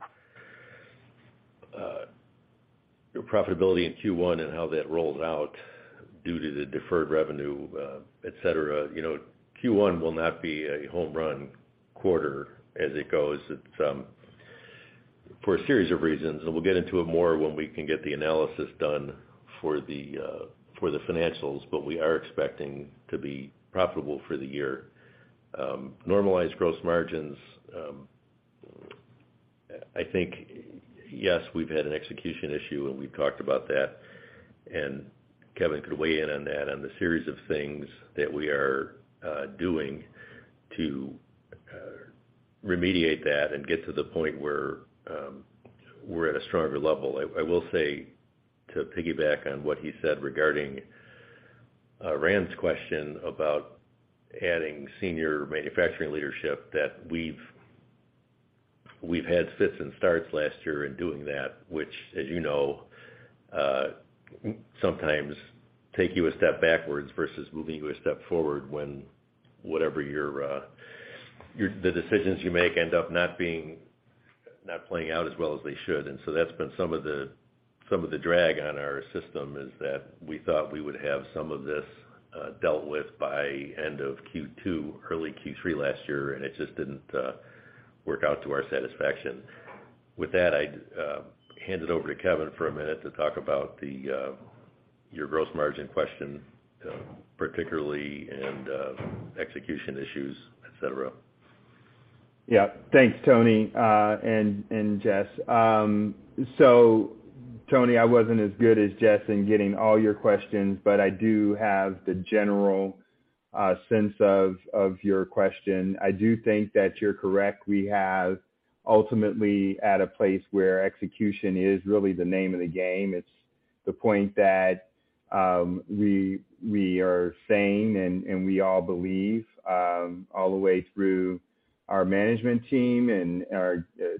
your profitability in Q1 and how that rolls out due to the deferred revenue, et cetera, you know, Q1 will not be a home run quarter as it goes. It's for a series of reasons, and we'll get into it more when we can get the analysis done for the financials, but we are expecting to be profitable for the year. Normalized gross margins, I think, yes, we've had an execution issue, and we've talked about that. Kevin could weigh in on that, on the series of things that we are doing to remediate that and get to the point where we're at a stronger level. I will say to piggyback on what he said regarding Rand's question about adding senior manufacturing leadership that we've had fits and starts last year in doing that, which, as you know, sometimes take you a step backwards versus moving you a step forward when whatever your decisions you make end up not being, not playing out as well as they should. That's been some of the drag on our system, is that we thought we would have some of this dealt with by end of Q2, early Q3 last year, and it just didn't work out to our satisfaction. With that, I'd hand it over to Kevin for a minute to talk about your gross margin question, particularly and execution issues, et cetera. Yeah. Thanks, Tony, and Jess. Tony, I wasn't as good as Jess in getting all your questions, but I do have the general sense of your question. I do think that you're correct. We have ultimately at a place where execution is really the name of the game. It's the point that we are saying and we all believe all the way through our management team and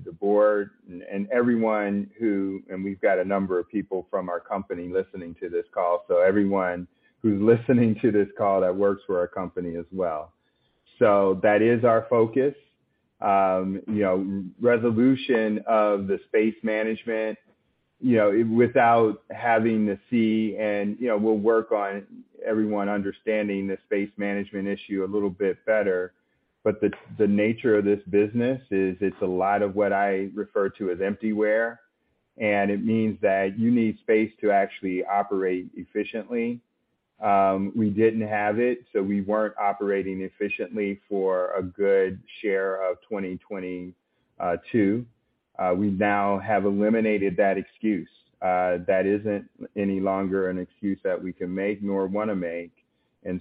the board and everyone who... We've got a number of people from our company listening to this call, so everyone who's listening to this call that works for our company as well. That is our focus. You know, resolution of the space management, you know, without having to see and, you know, we'll work on everyone understanding the space management issue a little bit better. The nature of this business is it's a lot of what I refer to as empty wear, and it means that you need space to actually operate efficiently. We didn't have it, so we weren't operating efficiently for a good share of 2022. We now have eliminated that excuse. That isn't any longer an excuse that we can make nor wanna make.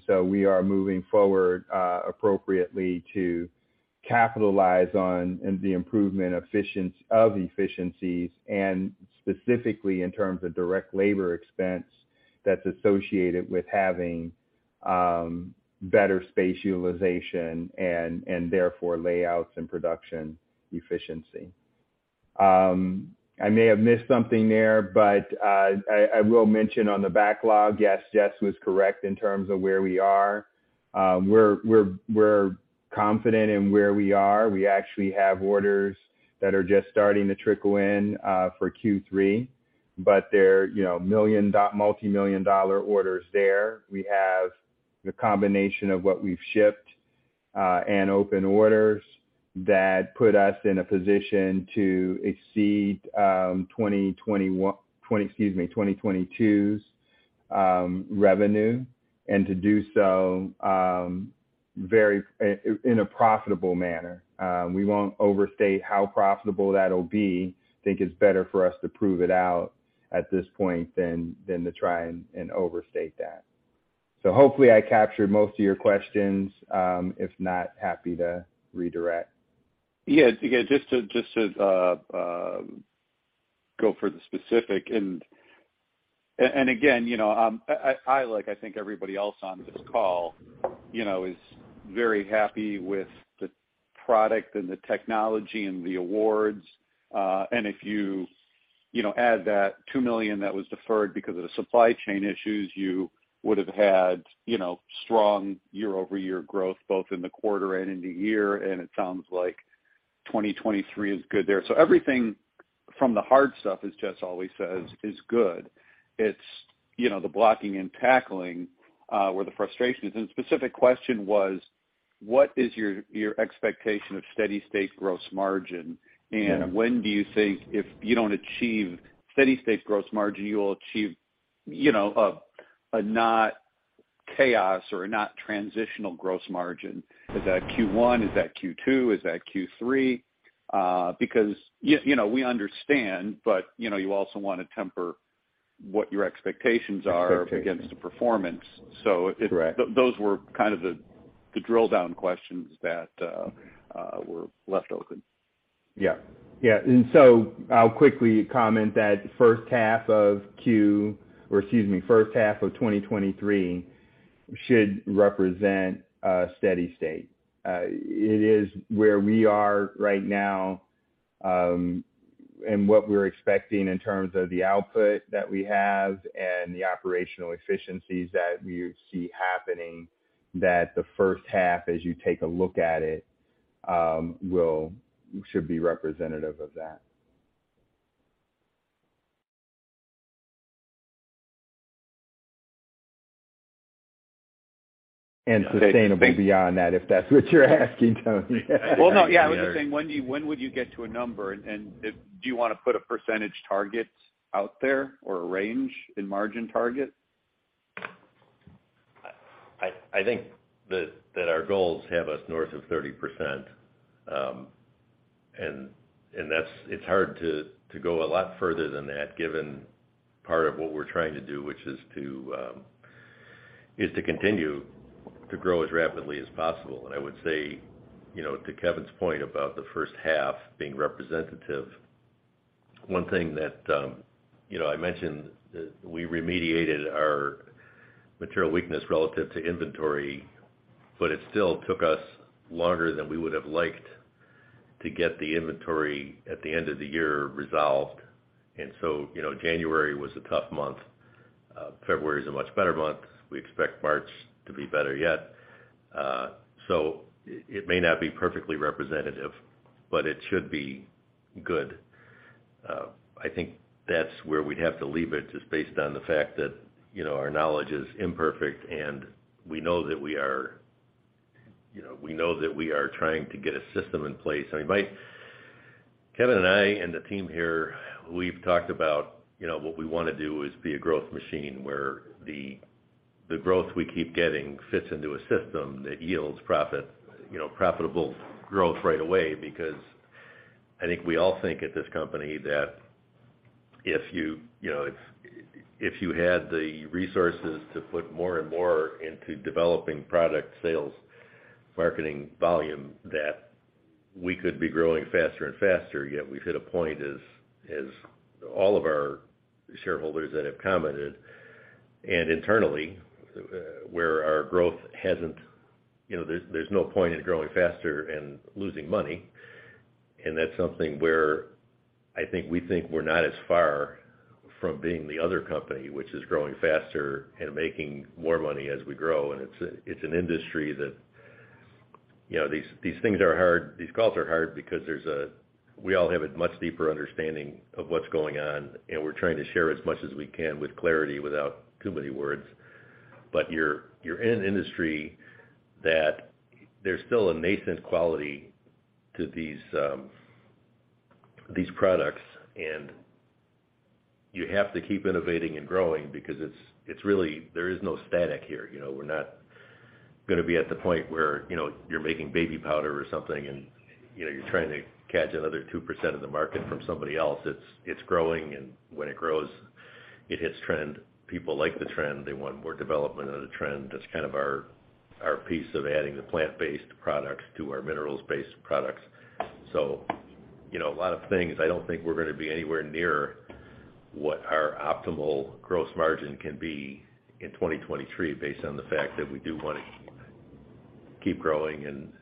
We are moving forward appropriately to capitalize on the improvement of efficiencies, and specifically in terms of direct labor expense that's associated with having better space utilization and therefore layouts and production efficiency. I may have missed something there, but I will mention on the backlog, yes, Jess was correct in terms of where we are. We're confident in where we are. We actually have orders that are just starting to trickle in for Q3, but they're, you know, multimillion-dollar orders there. We have the combination of what we've shipped and open orders that put us in a position to exceed 2022's revenue, and to do so very in a profitable manner. We won't overstate how profitable that'll be. Think it's better for us to prove it out at this point than to try and overstate that. Hopefully I captured most of your questions. If not, happy to redirect. Yeah. Just to go for the specific. Again, you know, I like I think everybody else on this call, you know, is very happy with the product and the technology and the awards. If you know, add that $2 million that was deferred because of the supply chain issues, you would have had, you know, strong year-over-year growth, both in the quarter and in the year, and it sounds like 2023 is good there. Everything from the hard stuff, as Jess always says, is good. It's, you know, the blocking and tackling where the frustration is. Specific question was, what is your expectation of steady-state gross margin? Yeah. When do you think if you don't achieve steady-state gross margin, you'll achieve, you know, a not chaos or a not transitional gross margin? Is that Q1? Is that Q2? Is that Q3? Because you know, we understand, but, you know, you also wanna temper what your expectations are... Expectations. Against the performance. Correct. Those were kind of the drill-down questions that were left open. Yeah. Yeah. I'll quickly comment that first half of Q... Or excuse me, first half of 2023 should represent a steady state. It is where we are right now, and what we're expecting in terms of the output that we have and the operational efficiencies that we see happening, that the first half, as you take a look at it, should be representative of that. Sustainable beyond that, if that's what you're asking, Tony. Well, no. Yeah. I was just saying, when would you get to a number? Do you wanna put a percentage target out there or a range in margin target? I think that our goals have us north of 30%. It's hard to go a lot further than that given part of what we're trying to do, which is to continue to grow as rapidly as possible. I would say, you know, to Kevin's point about the first half being representative, one thing that, you know, I mentioned that we remediated our material weakness relative to inventory, but it still took us longer than we would have liked to get the inventory at the end of the year resolved. You know, January was a tough month. February is a much better month. We expect March to be better yet. It may not be perfectly representative, but it should be good. I think that's where we'd have to leave it, just based on the fact that, you know, our knowledge is imperfect and we know that we are trying to get a system in place. I mean, Kevin and I and the team here, we've talked about, you know, what we wanna do is be a growth machine where the growth we keep getting fits into a system that yields profit, you know, profitable growth right away. Because I think we all think at this company that if you know, if you had the resources to put more and more into developing product sales, marketing volume, that we could be growing faster and faster. Yet we've hit a point, as all of our shareholders that have commented and internally, where our growth hasn't, you know, there's no point in growing faster and losing money. That's something where I think we think we're not as far from being the other company, which is growing faster and making more money as we grow. It's an industry that, you know, these things are hard, these calls are hard because we all have a much deeper understanding of what's going on, and we're trying to share as much as we can with clarity without too many words. You're in an industry that there's still a nascent quality to these products, and you have to keep innovating and growing because it's really there is no static here. You know, we're not gonna be at the point where, you know, you're making baby powder or something and, you know, you're trying to catch another 2% of the market from somebody else. It's growing, and when it grows, it hits trend. People like the trend. They want more development of the trend. That's kind of our piece of adding the plant-based products to our minerals-based products. You know, a lot of things, I don't think we're gonna be anywhere near what our optimal gross margin can be in 2023 based on the fact that we do wanna keep growing and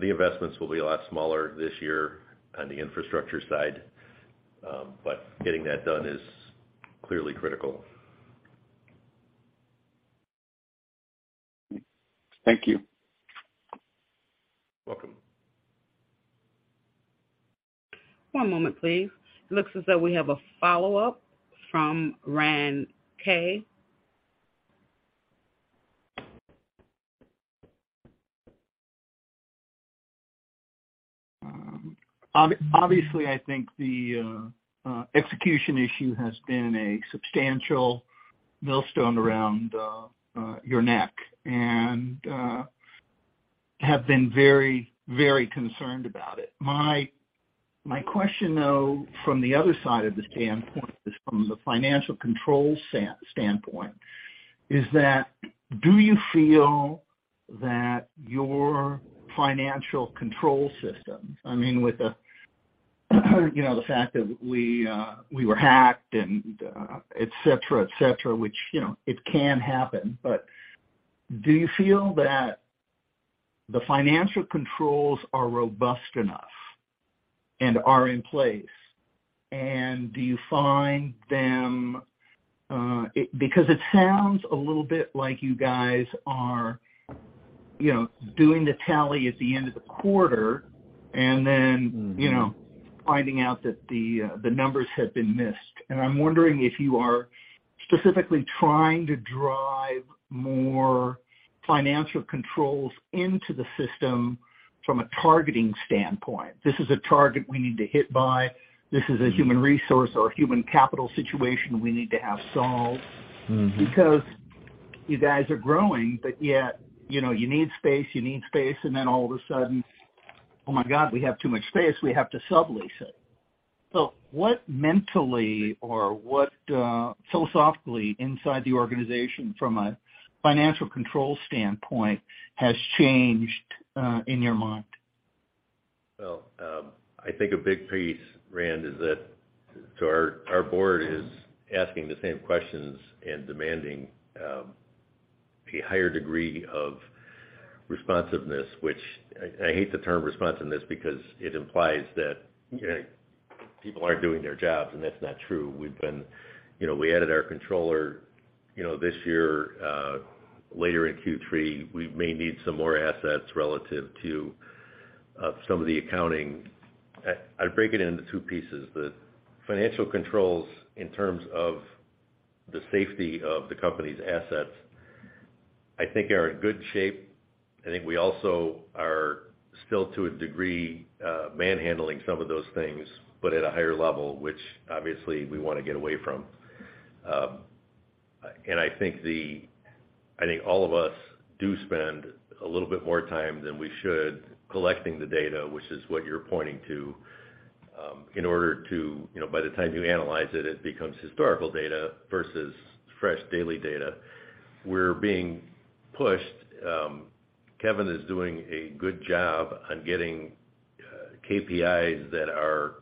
the investments will be a lot smaller this year on the infrastructure side. Getting that done is clearly critical. Thank you. Welcome. One moment please. It looks as though we have a follow-up from Rand Kay. Obviously, I think the execution issue has been a substantial millstone around your neck and have been very, very concerned about it. My question, though, from the other side of the standpoint is from the financial control standpoint, is that do you feel that your financial control systems, I mean, with the, you know, the fact that we were hacked and et cetera, et cetera, which, you know, it can happen, but do you feel that the financial controls are robust enough and are in place? Do you find them... Because it sounds a little bit like you guys are, you know, doing the tally at the end of the quarter. Mm-hmm. You know, finding out that the numbers have been missed. I'm wondering if you are specifically trying to drive more financial controls into the system from a targeting standpoint. This is a target we need to hit by. This is a human resource or human capital situation we need to have solved. Mm-hmm. You guys are growing, but yet, you know, you need space, you need space, and then all of a sudden, oh my god, we have too much space, we have to sublease it. What mentally or what philosophically inside the organization from a financial control standpoint has changed in your mind? I think a big piece, Rand, is that our board is asking the same questions and demanding a higher degree of responsiveness, which I hate the term responsiveness because it implies that, you know, people aren't doing their jobs, and that's not true. You know, we added our controller, you know, this year, later in Q3. We may need some more assets relative to some of the accounting. I'd break it into two pieces. The financial controls in terms of the safety of the company's assets, I think are in good shape. I think we also are still, to a degree, manhandling some of those things, but at a higher level, which obviously we wanna get away from. I think all of us do spend a little bit more time than we should collecting the data, which is what you're pointing to, in order to, you know, by the time you analyze it becomes historical data versus fresh daily data. We're being pushed. Kevin is doing a good job on getting KPIs that are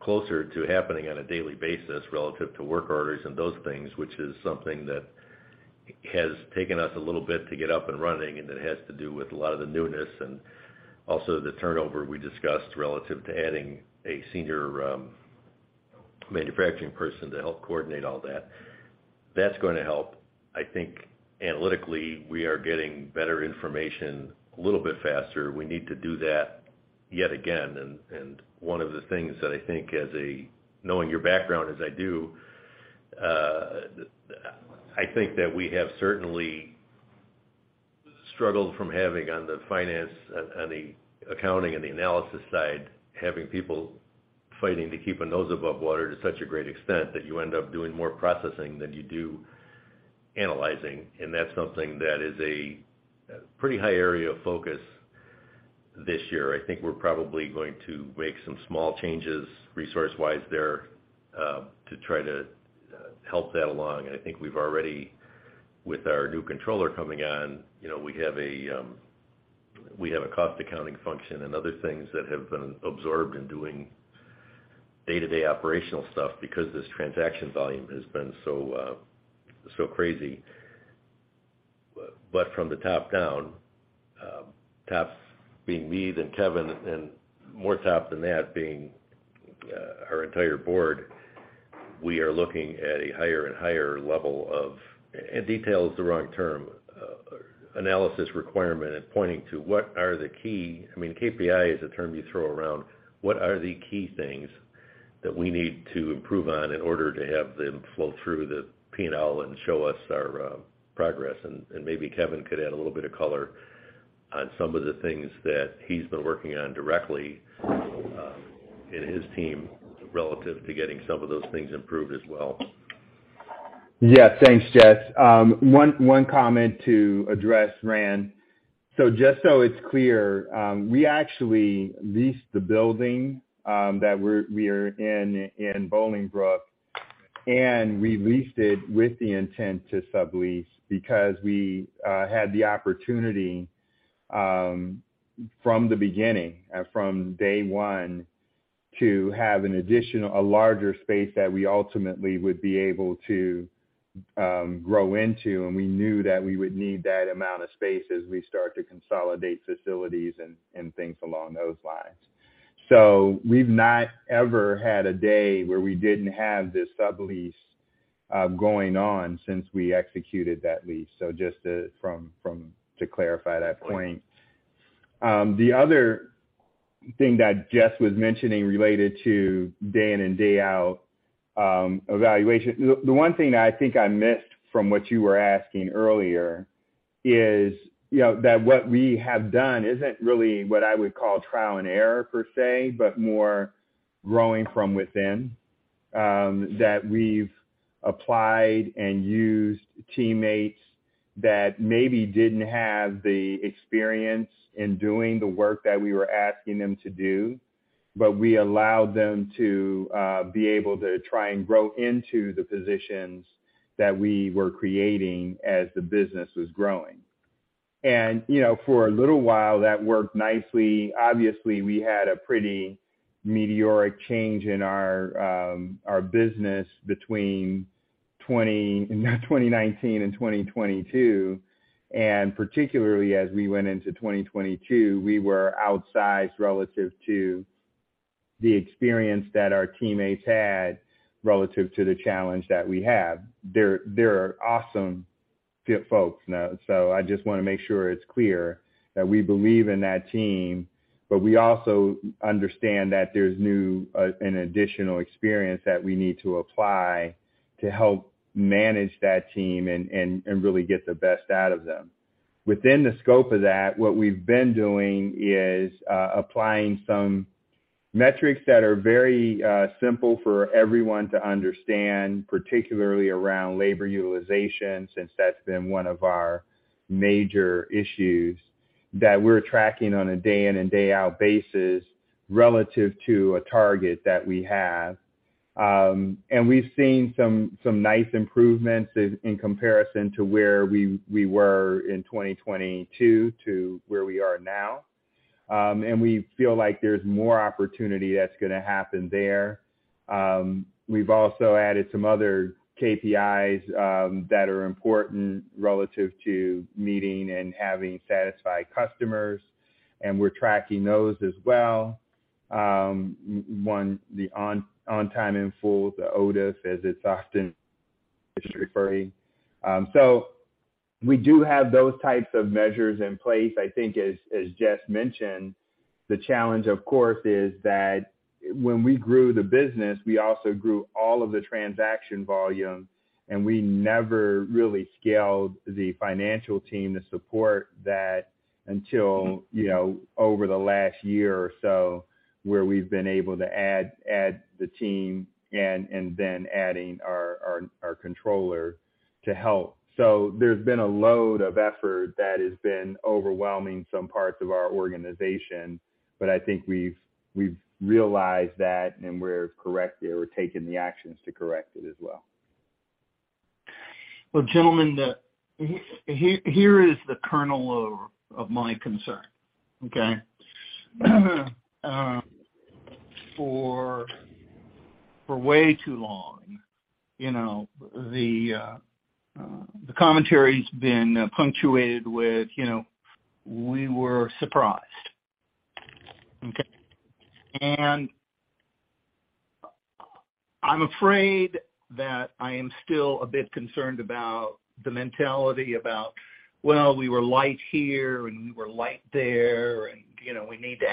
closer to happening on a daily basis relative to work orders and those things, which is something that has taken us a little bit to get up and running, and it has to do with a lot of the newness and also the turnover we discussed relative to adding a senior manufacturing person to help coordinate all that. That's gonna help. I think analytically we are getting better information a little bit faster. We need to do that yet again, and one of the things that I think as knowing your background as I do, I think that we have certainly struggled from having on the finance and on the accounting and the analysis side, having people fighting to keep a nose above water to such a great extent that you end up doing more processing than you do analyzing. That's something that is a pretty high area of focus this year. I think we're probably going to make some small changes resource-wise there, to try to help that along. I think we've already, with our new controller coming on, you know, we have a cost accounting function and other things that have been absorbed in doing day-to-day operational stuff because this transaction volume has been so crazy. From the top down, tops being me then Kevin, and more top than that being, our entire board, we are looking at a higher and higher level of. Detail is the wrong term. Analysis requirement and pointing to what are the key. I mean, KPI is a term you throw around. What are the key things that we need to improve on in order to have them flow through the P&L and show us our progress? Maybe Kevin could add a little bit of color on some of the things that he's been working on directly, in his team relative to getting some of those things improved as well. Yeah. Thanks, Jess. One comment to address, Rand. Just so it's clear, we actually leased the building that we're in Bolingbrook, and we leased it with the intent to sublease because we had the opportunity from the beginning, from day one, to have a larger space that we ultimately would be able to grow into, and we knew that we would need that amount of space as we start to consolidate facilities and things along those lines. We've not ever had a day where we didn't have this sublease going on since we executed that lease. Just to clarify that point. The other thing that Jess was mentioning related to day in and day out evaluation. The one thing I think I missed from what you were asking earlier is, you know, that what we have done isn't really what I would call trial and error per se, but more growing from within, that we've applied and used teammates that maybe didn't have the experience in doing the work that we were asking them to do, but we allowed them to be able to try and grow into the positions that we were creating as the business was growing. You know, for a little while, that worked nicely. Obviously, we had a pretty meteoric change in our business between 2019 and 2022, and particularly as we went into 2022, we were outsized relative to the experience that our teammates had relative to the challenge that we have. They're awesome folks. I just wanna make sure it's clear that we believe in that team, but we also understand that there's new and additional experience that we need to apply to help manage that team and really get the best out of them. Within the scope of that, what we've been doing is applying some metrics that are very simple for everyone to understand, particularly around labor utilization, since that's been one of our major issues that we're tracking on a day in and day out basis relative to a target that we have. We've seen some nice improvements in comparison to where we were in 2022 to where we are now. We feel like there's more opportunity that's gonna happen there. We've also added some other KPIs, that are important relative to meeting and having satisfied customers, and we're tracking those as well. One, the on time in full, the OTIF, as it's often referred. We do have those types of measures in place. I think as Jess mentioned, the challenge, of course, is that when we grew the business, we also grew all of the transaction volume, and we never really scaled the financial team to support that until, you know, over the last year or so, where we've been able to add the team and then adding our controller to help. There's been a load of effort that has been overwhelming some parts of our organization, but I think we've realized that and we're correcting or taking the actions to correct it as well. Well, gentlemen, here is the kernel of my concern. Okay? For way too long, you know, the commentary's been punctuated with, you know, we were surprised. Okay? I'm afraid that I am still a bit concerned about the mentality about, well, we were light here and we were light there and, you know, we need to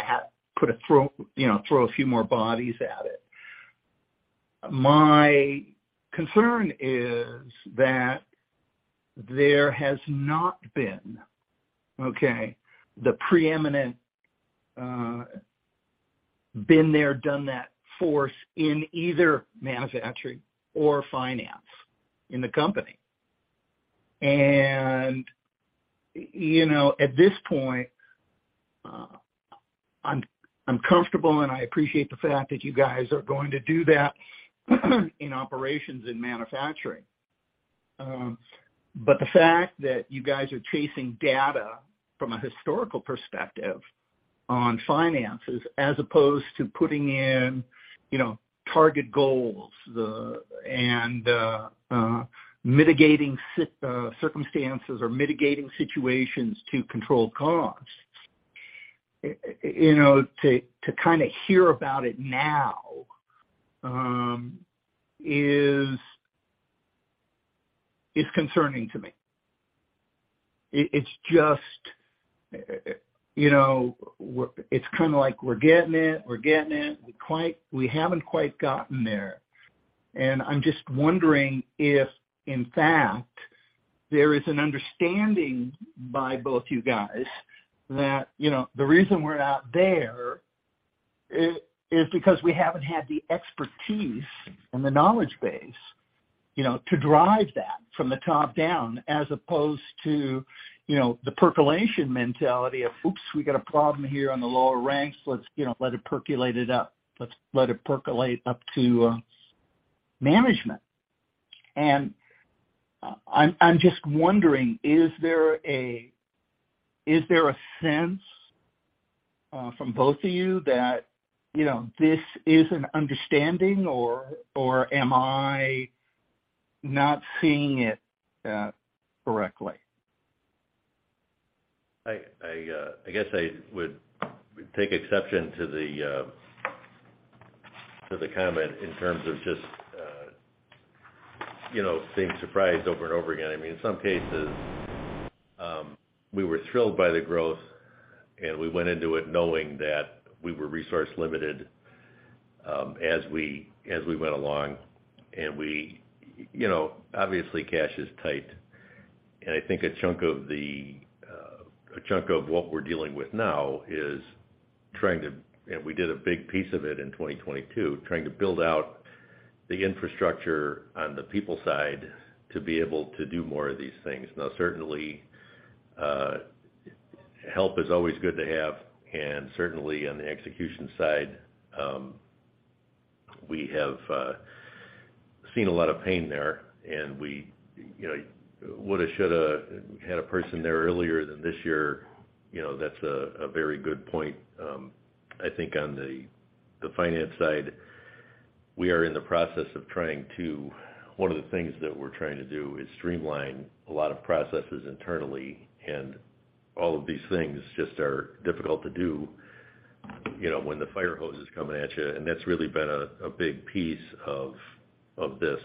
put a throw, you know, a few more bodies at it. My concern is that there has not been, okay, the preeminent, been there, done that force in either manufacturing or finance in the company. You know, at this point, I'm comfortable, and I appreciate the fact that you guys are going to do that in operations and manufacturing. The fact that you guys are chasing data from a historical perspective on finances as opposed to putting in, you know, target goals, and mitigating circumstances or mitigating situations to control costs. You know, to kinda hear about it now, is concerning to me. It's just, you know. It's kinda like we're getting it, we're getting it, we haven't quite gotten there. I'm just wondering if, in fact, there is an understanding by both you guys that, you know, the reason we're out there is because we haven't had the expertise and the knowledge base, you know, to drive that from the top down, as opposed to, you know, the percolation mentality of, "Oops, we got a problem here on the lower ranks. Let's, you know, let it percolate it up. Let's let it percolate up to management." I'm just wondering, is there a sense from both of you that, you know, this is an understanding, or am I not seeing it correctly? I guess I would take exception to the comment in terms of just, you know, seeing surprise over and over again. I mean, in some cases, we were thrilled by the growth, and we went into it knowing that we were resource-limited, as we went along. You know, obviously, cash is tight, and I think a chunk of the, a chunk of what we're dealing with now is trying to and we did a big piece of it in 2022, trying to build out the infrastructure on the people side to be able to do more of these things. Certainly, help is always good to have, and certainly on the execution side, we have seen a lot of pain there, and we, you know, woulda, shoulda had a person there earlier than this year. You know, that's a very good point. I think on the finance side, we are in the process of trying to... One of the things that we're trying to do is streamline a lot of processes internally, and all of these things just are difficult to do, you know, when the fire hose is coming at you, and that's really been a big piece of this.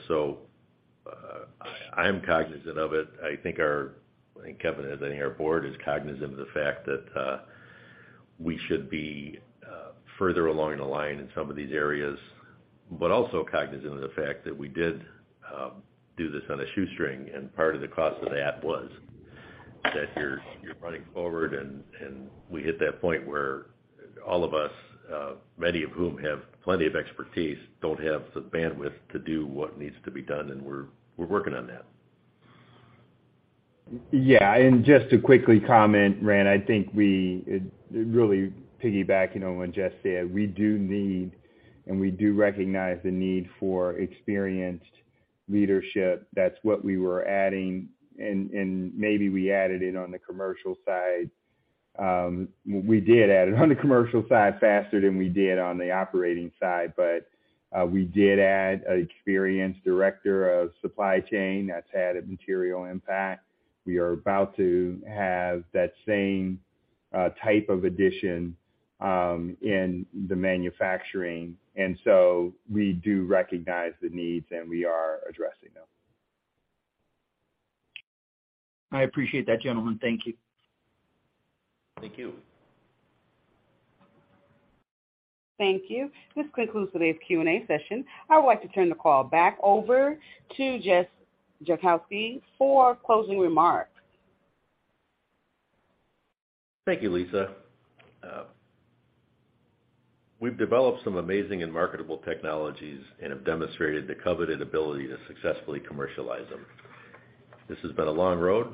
I'm cognizant of it. I think our... I think Kevin and our board is cognizant of the fact that we should be further along in the line in some of these areas, but also cognizant of the fact that we did do this on a shoestring, and part of the cost of that was that you're running forward and we hit that point where all of us, many of whom have plenty of expertise, don't have the bandwidth to do what needs to be done, and we're working on that. Yeah. Just to quickly comment, Rand, I think really piggybacking on what Jess said, we do need, and maybe we added it on the commercial side. We did add it on the commercial side faster than we did on the operating side, but we did add an experienced director of supply chain. That's had a material impact. We are about to have that same type of addition in the manufacturing. We do recognize the needs, and we are addressing them. I appreciate that, gentlemen. Thank you. Thank you. Thank you. This concludes today's Q&A session. I would like to turn the call back over to Jess Jankowski for closing remarks. Thank you, Lisa. We've developed some amazing and marketable technologies and have demonstrated the coveted ability to successfully commercialize them. This has been a long road,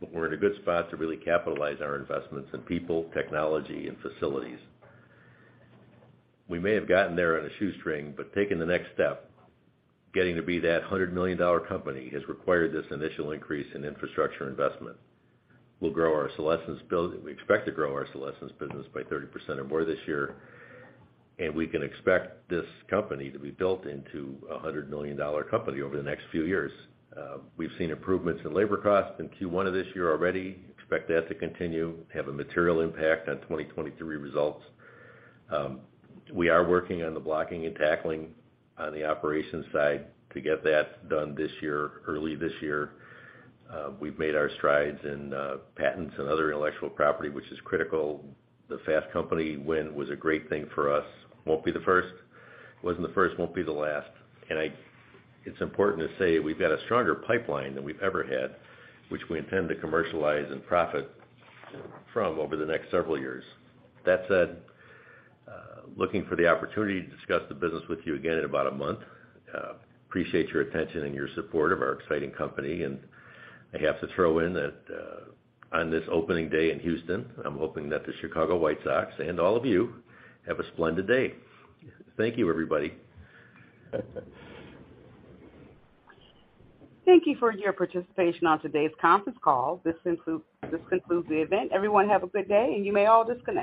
but we're in a good spot to really capitalize our investments in people, technology, and facilities. We may have gotten there on a shoestring, but taking the next step, getting to be that $100 million company, has required this initial increase in infrastructure investment. We expect to grow our Solésence business by 30% or more this year, and we can expect this company to be built into a $100 million company over the next few years. We've seen improvements in labor costs in Q1 of this year already. Expect that to continue, have a material impact on 2023 results. We are working on the blocking and tackling on the operations side to get that done this year, early this year. We've made our strides in patents and other intellectual property, which is critical. The Fast Company win was a great thing for us. Won't be the first. Wasn't the first, won't be the last. It's important to say we've got a stronger pipeline than we've ever had, which we intend to commercialize and profit from over the next several years. That said, looking for the opportunity to discuss the business with you again in about a month. Appreciate your attention and your support of our exciting company. I have to throw in that on this opening day in Houston, I'm hoping that the Chicago White Sox and all of you have a splendid day. Thank you, everybody. Thank you for your participation on today's conference call. This concludes the event. Everyone, have a good day, and you may all disconnect.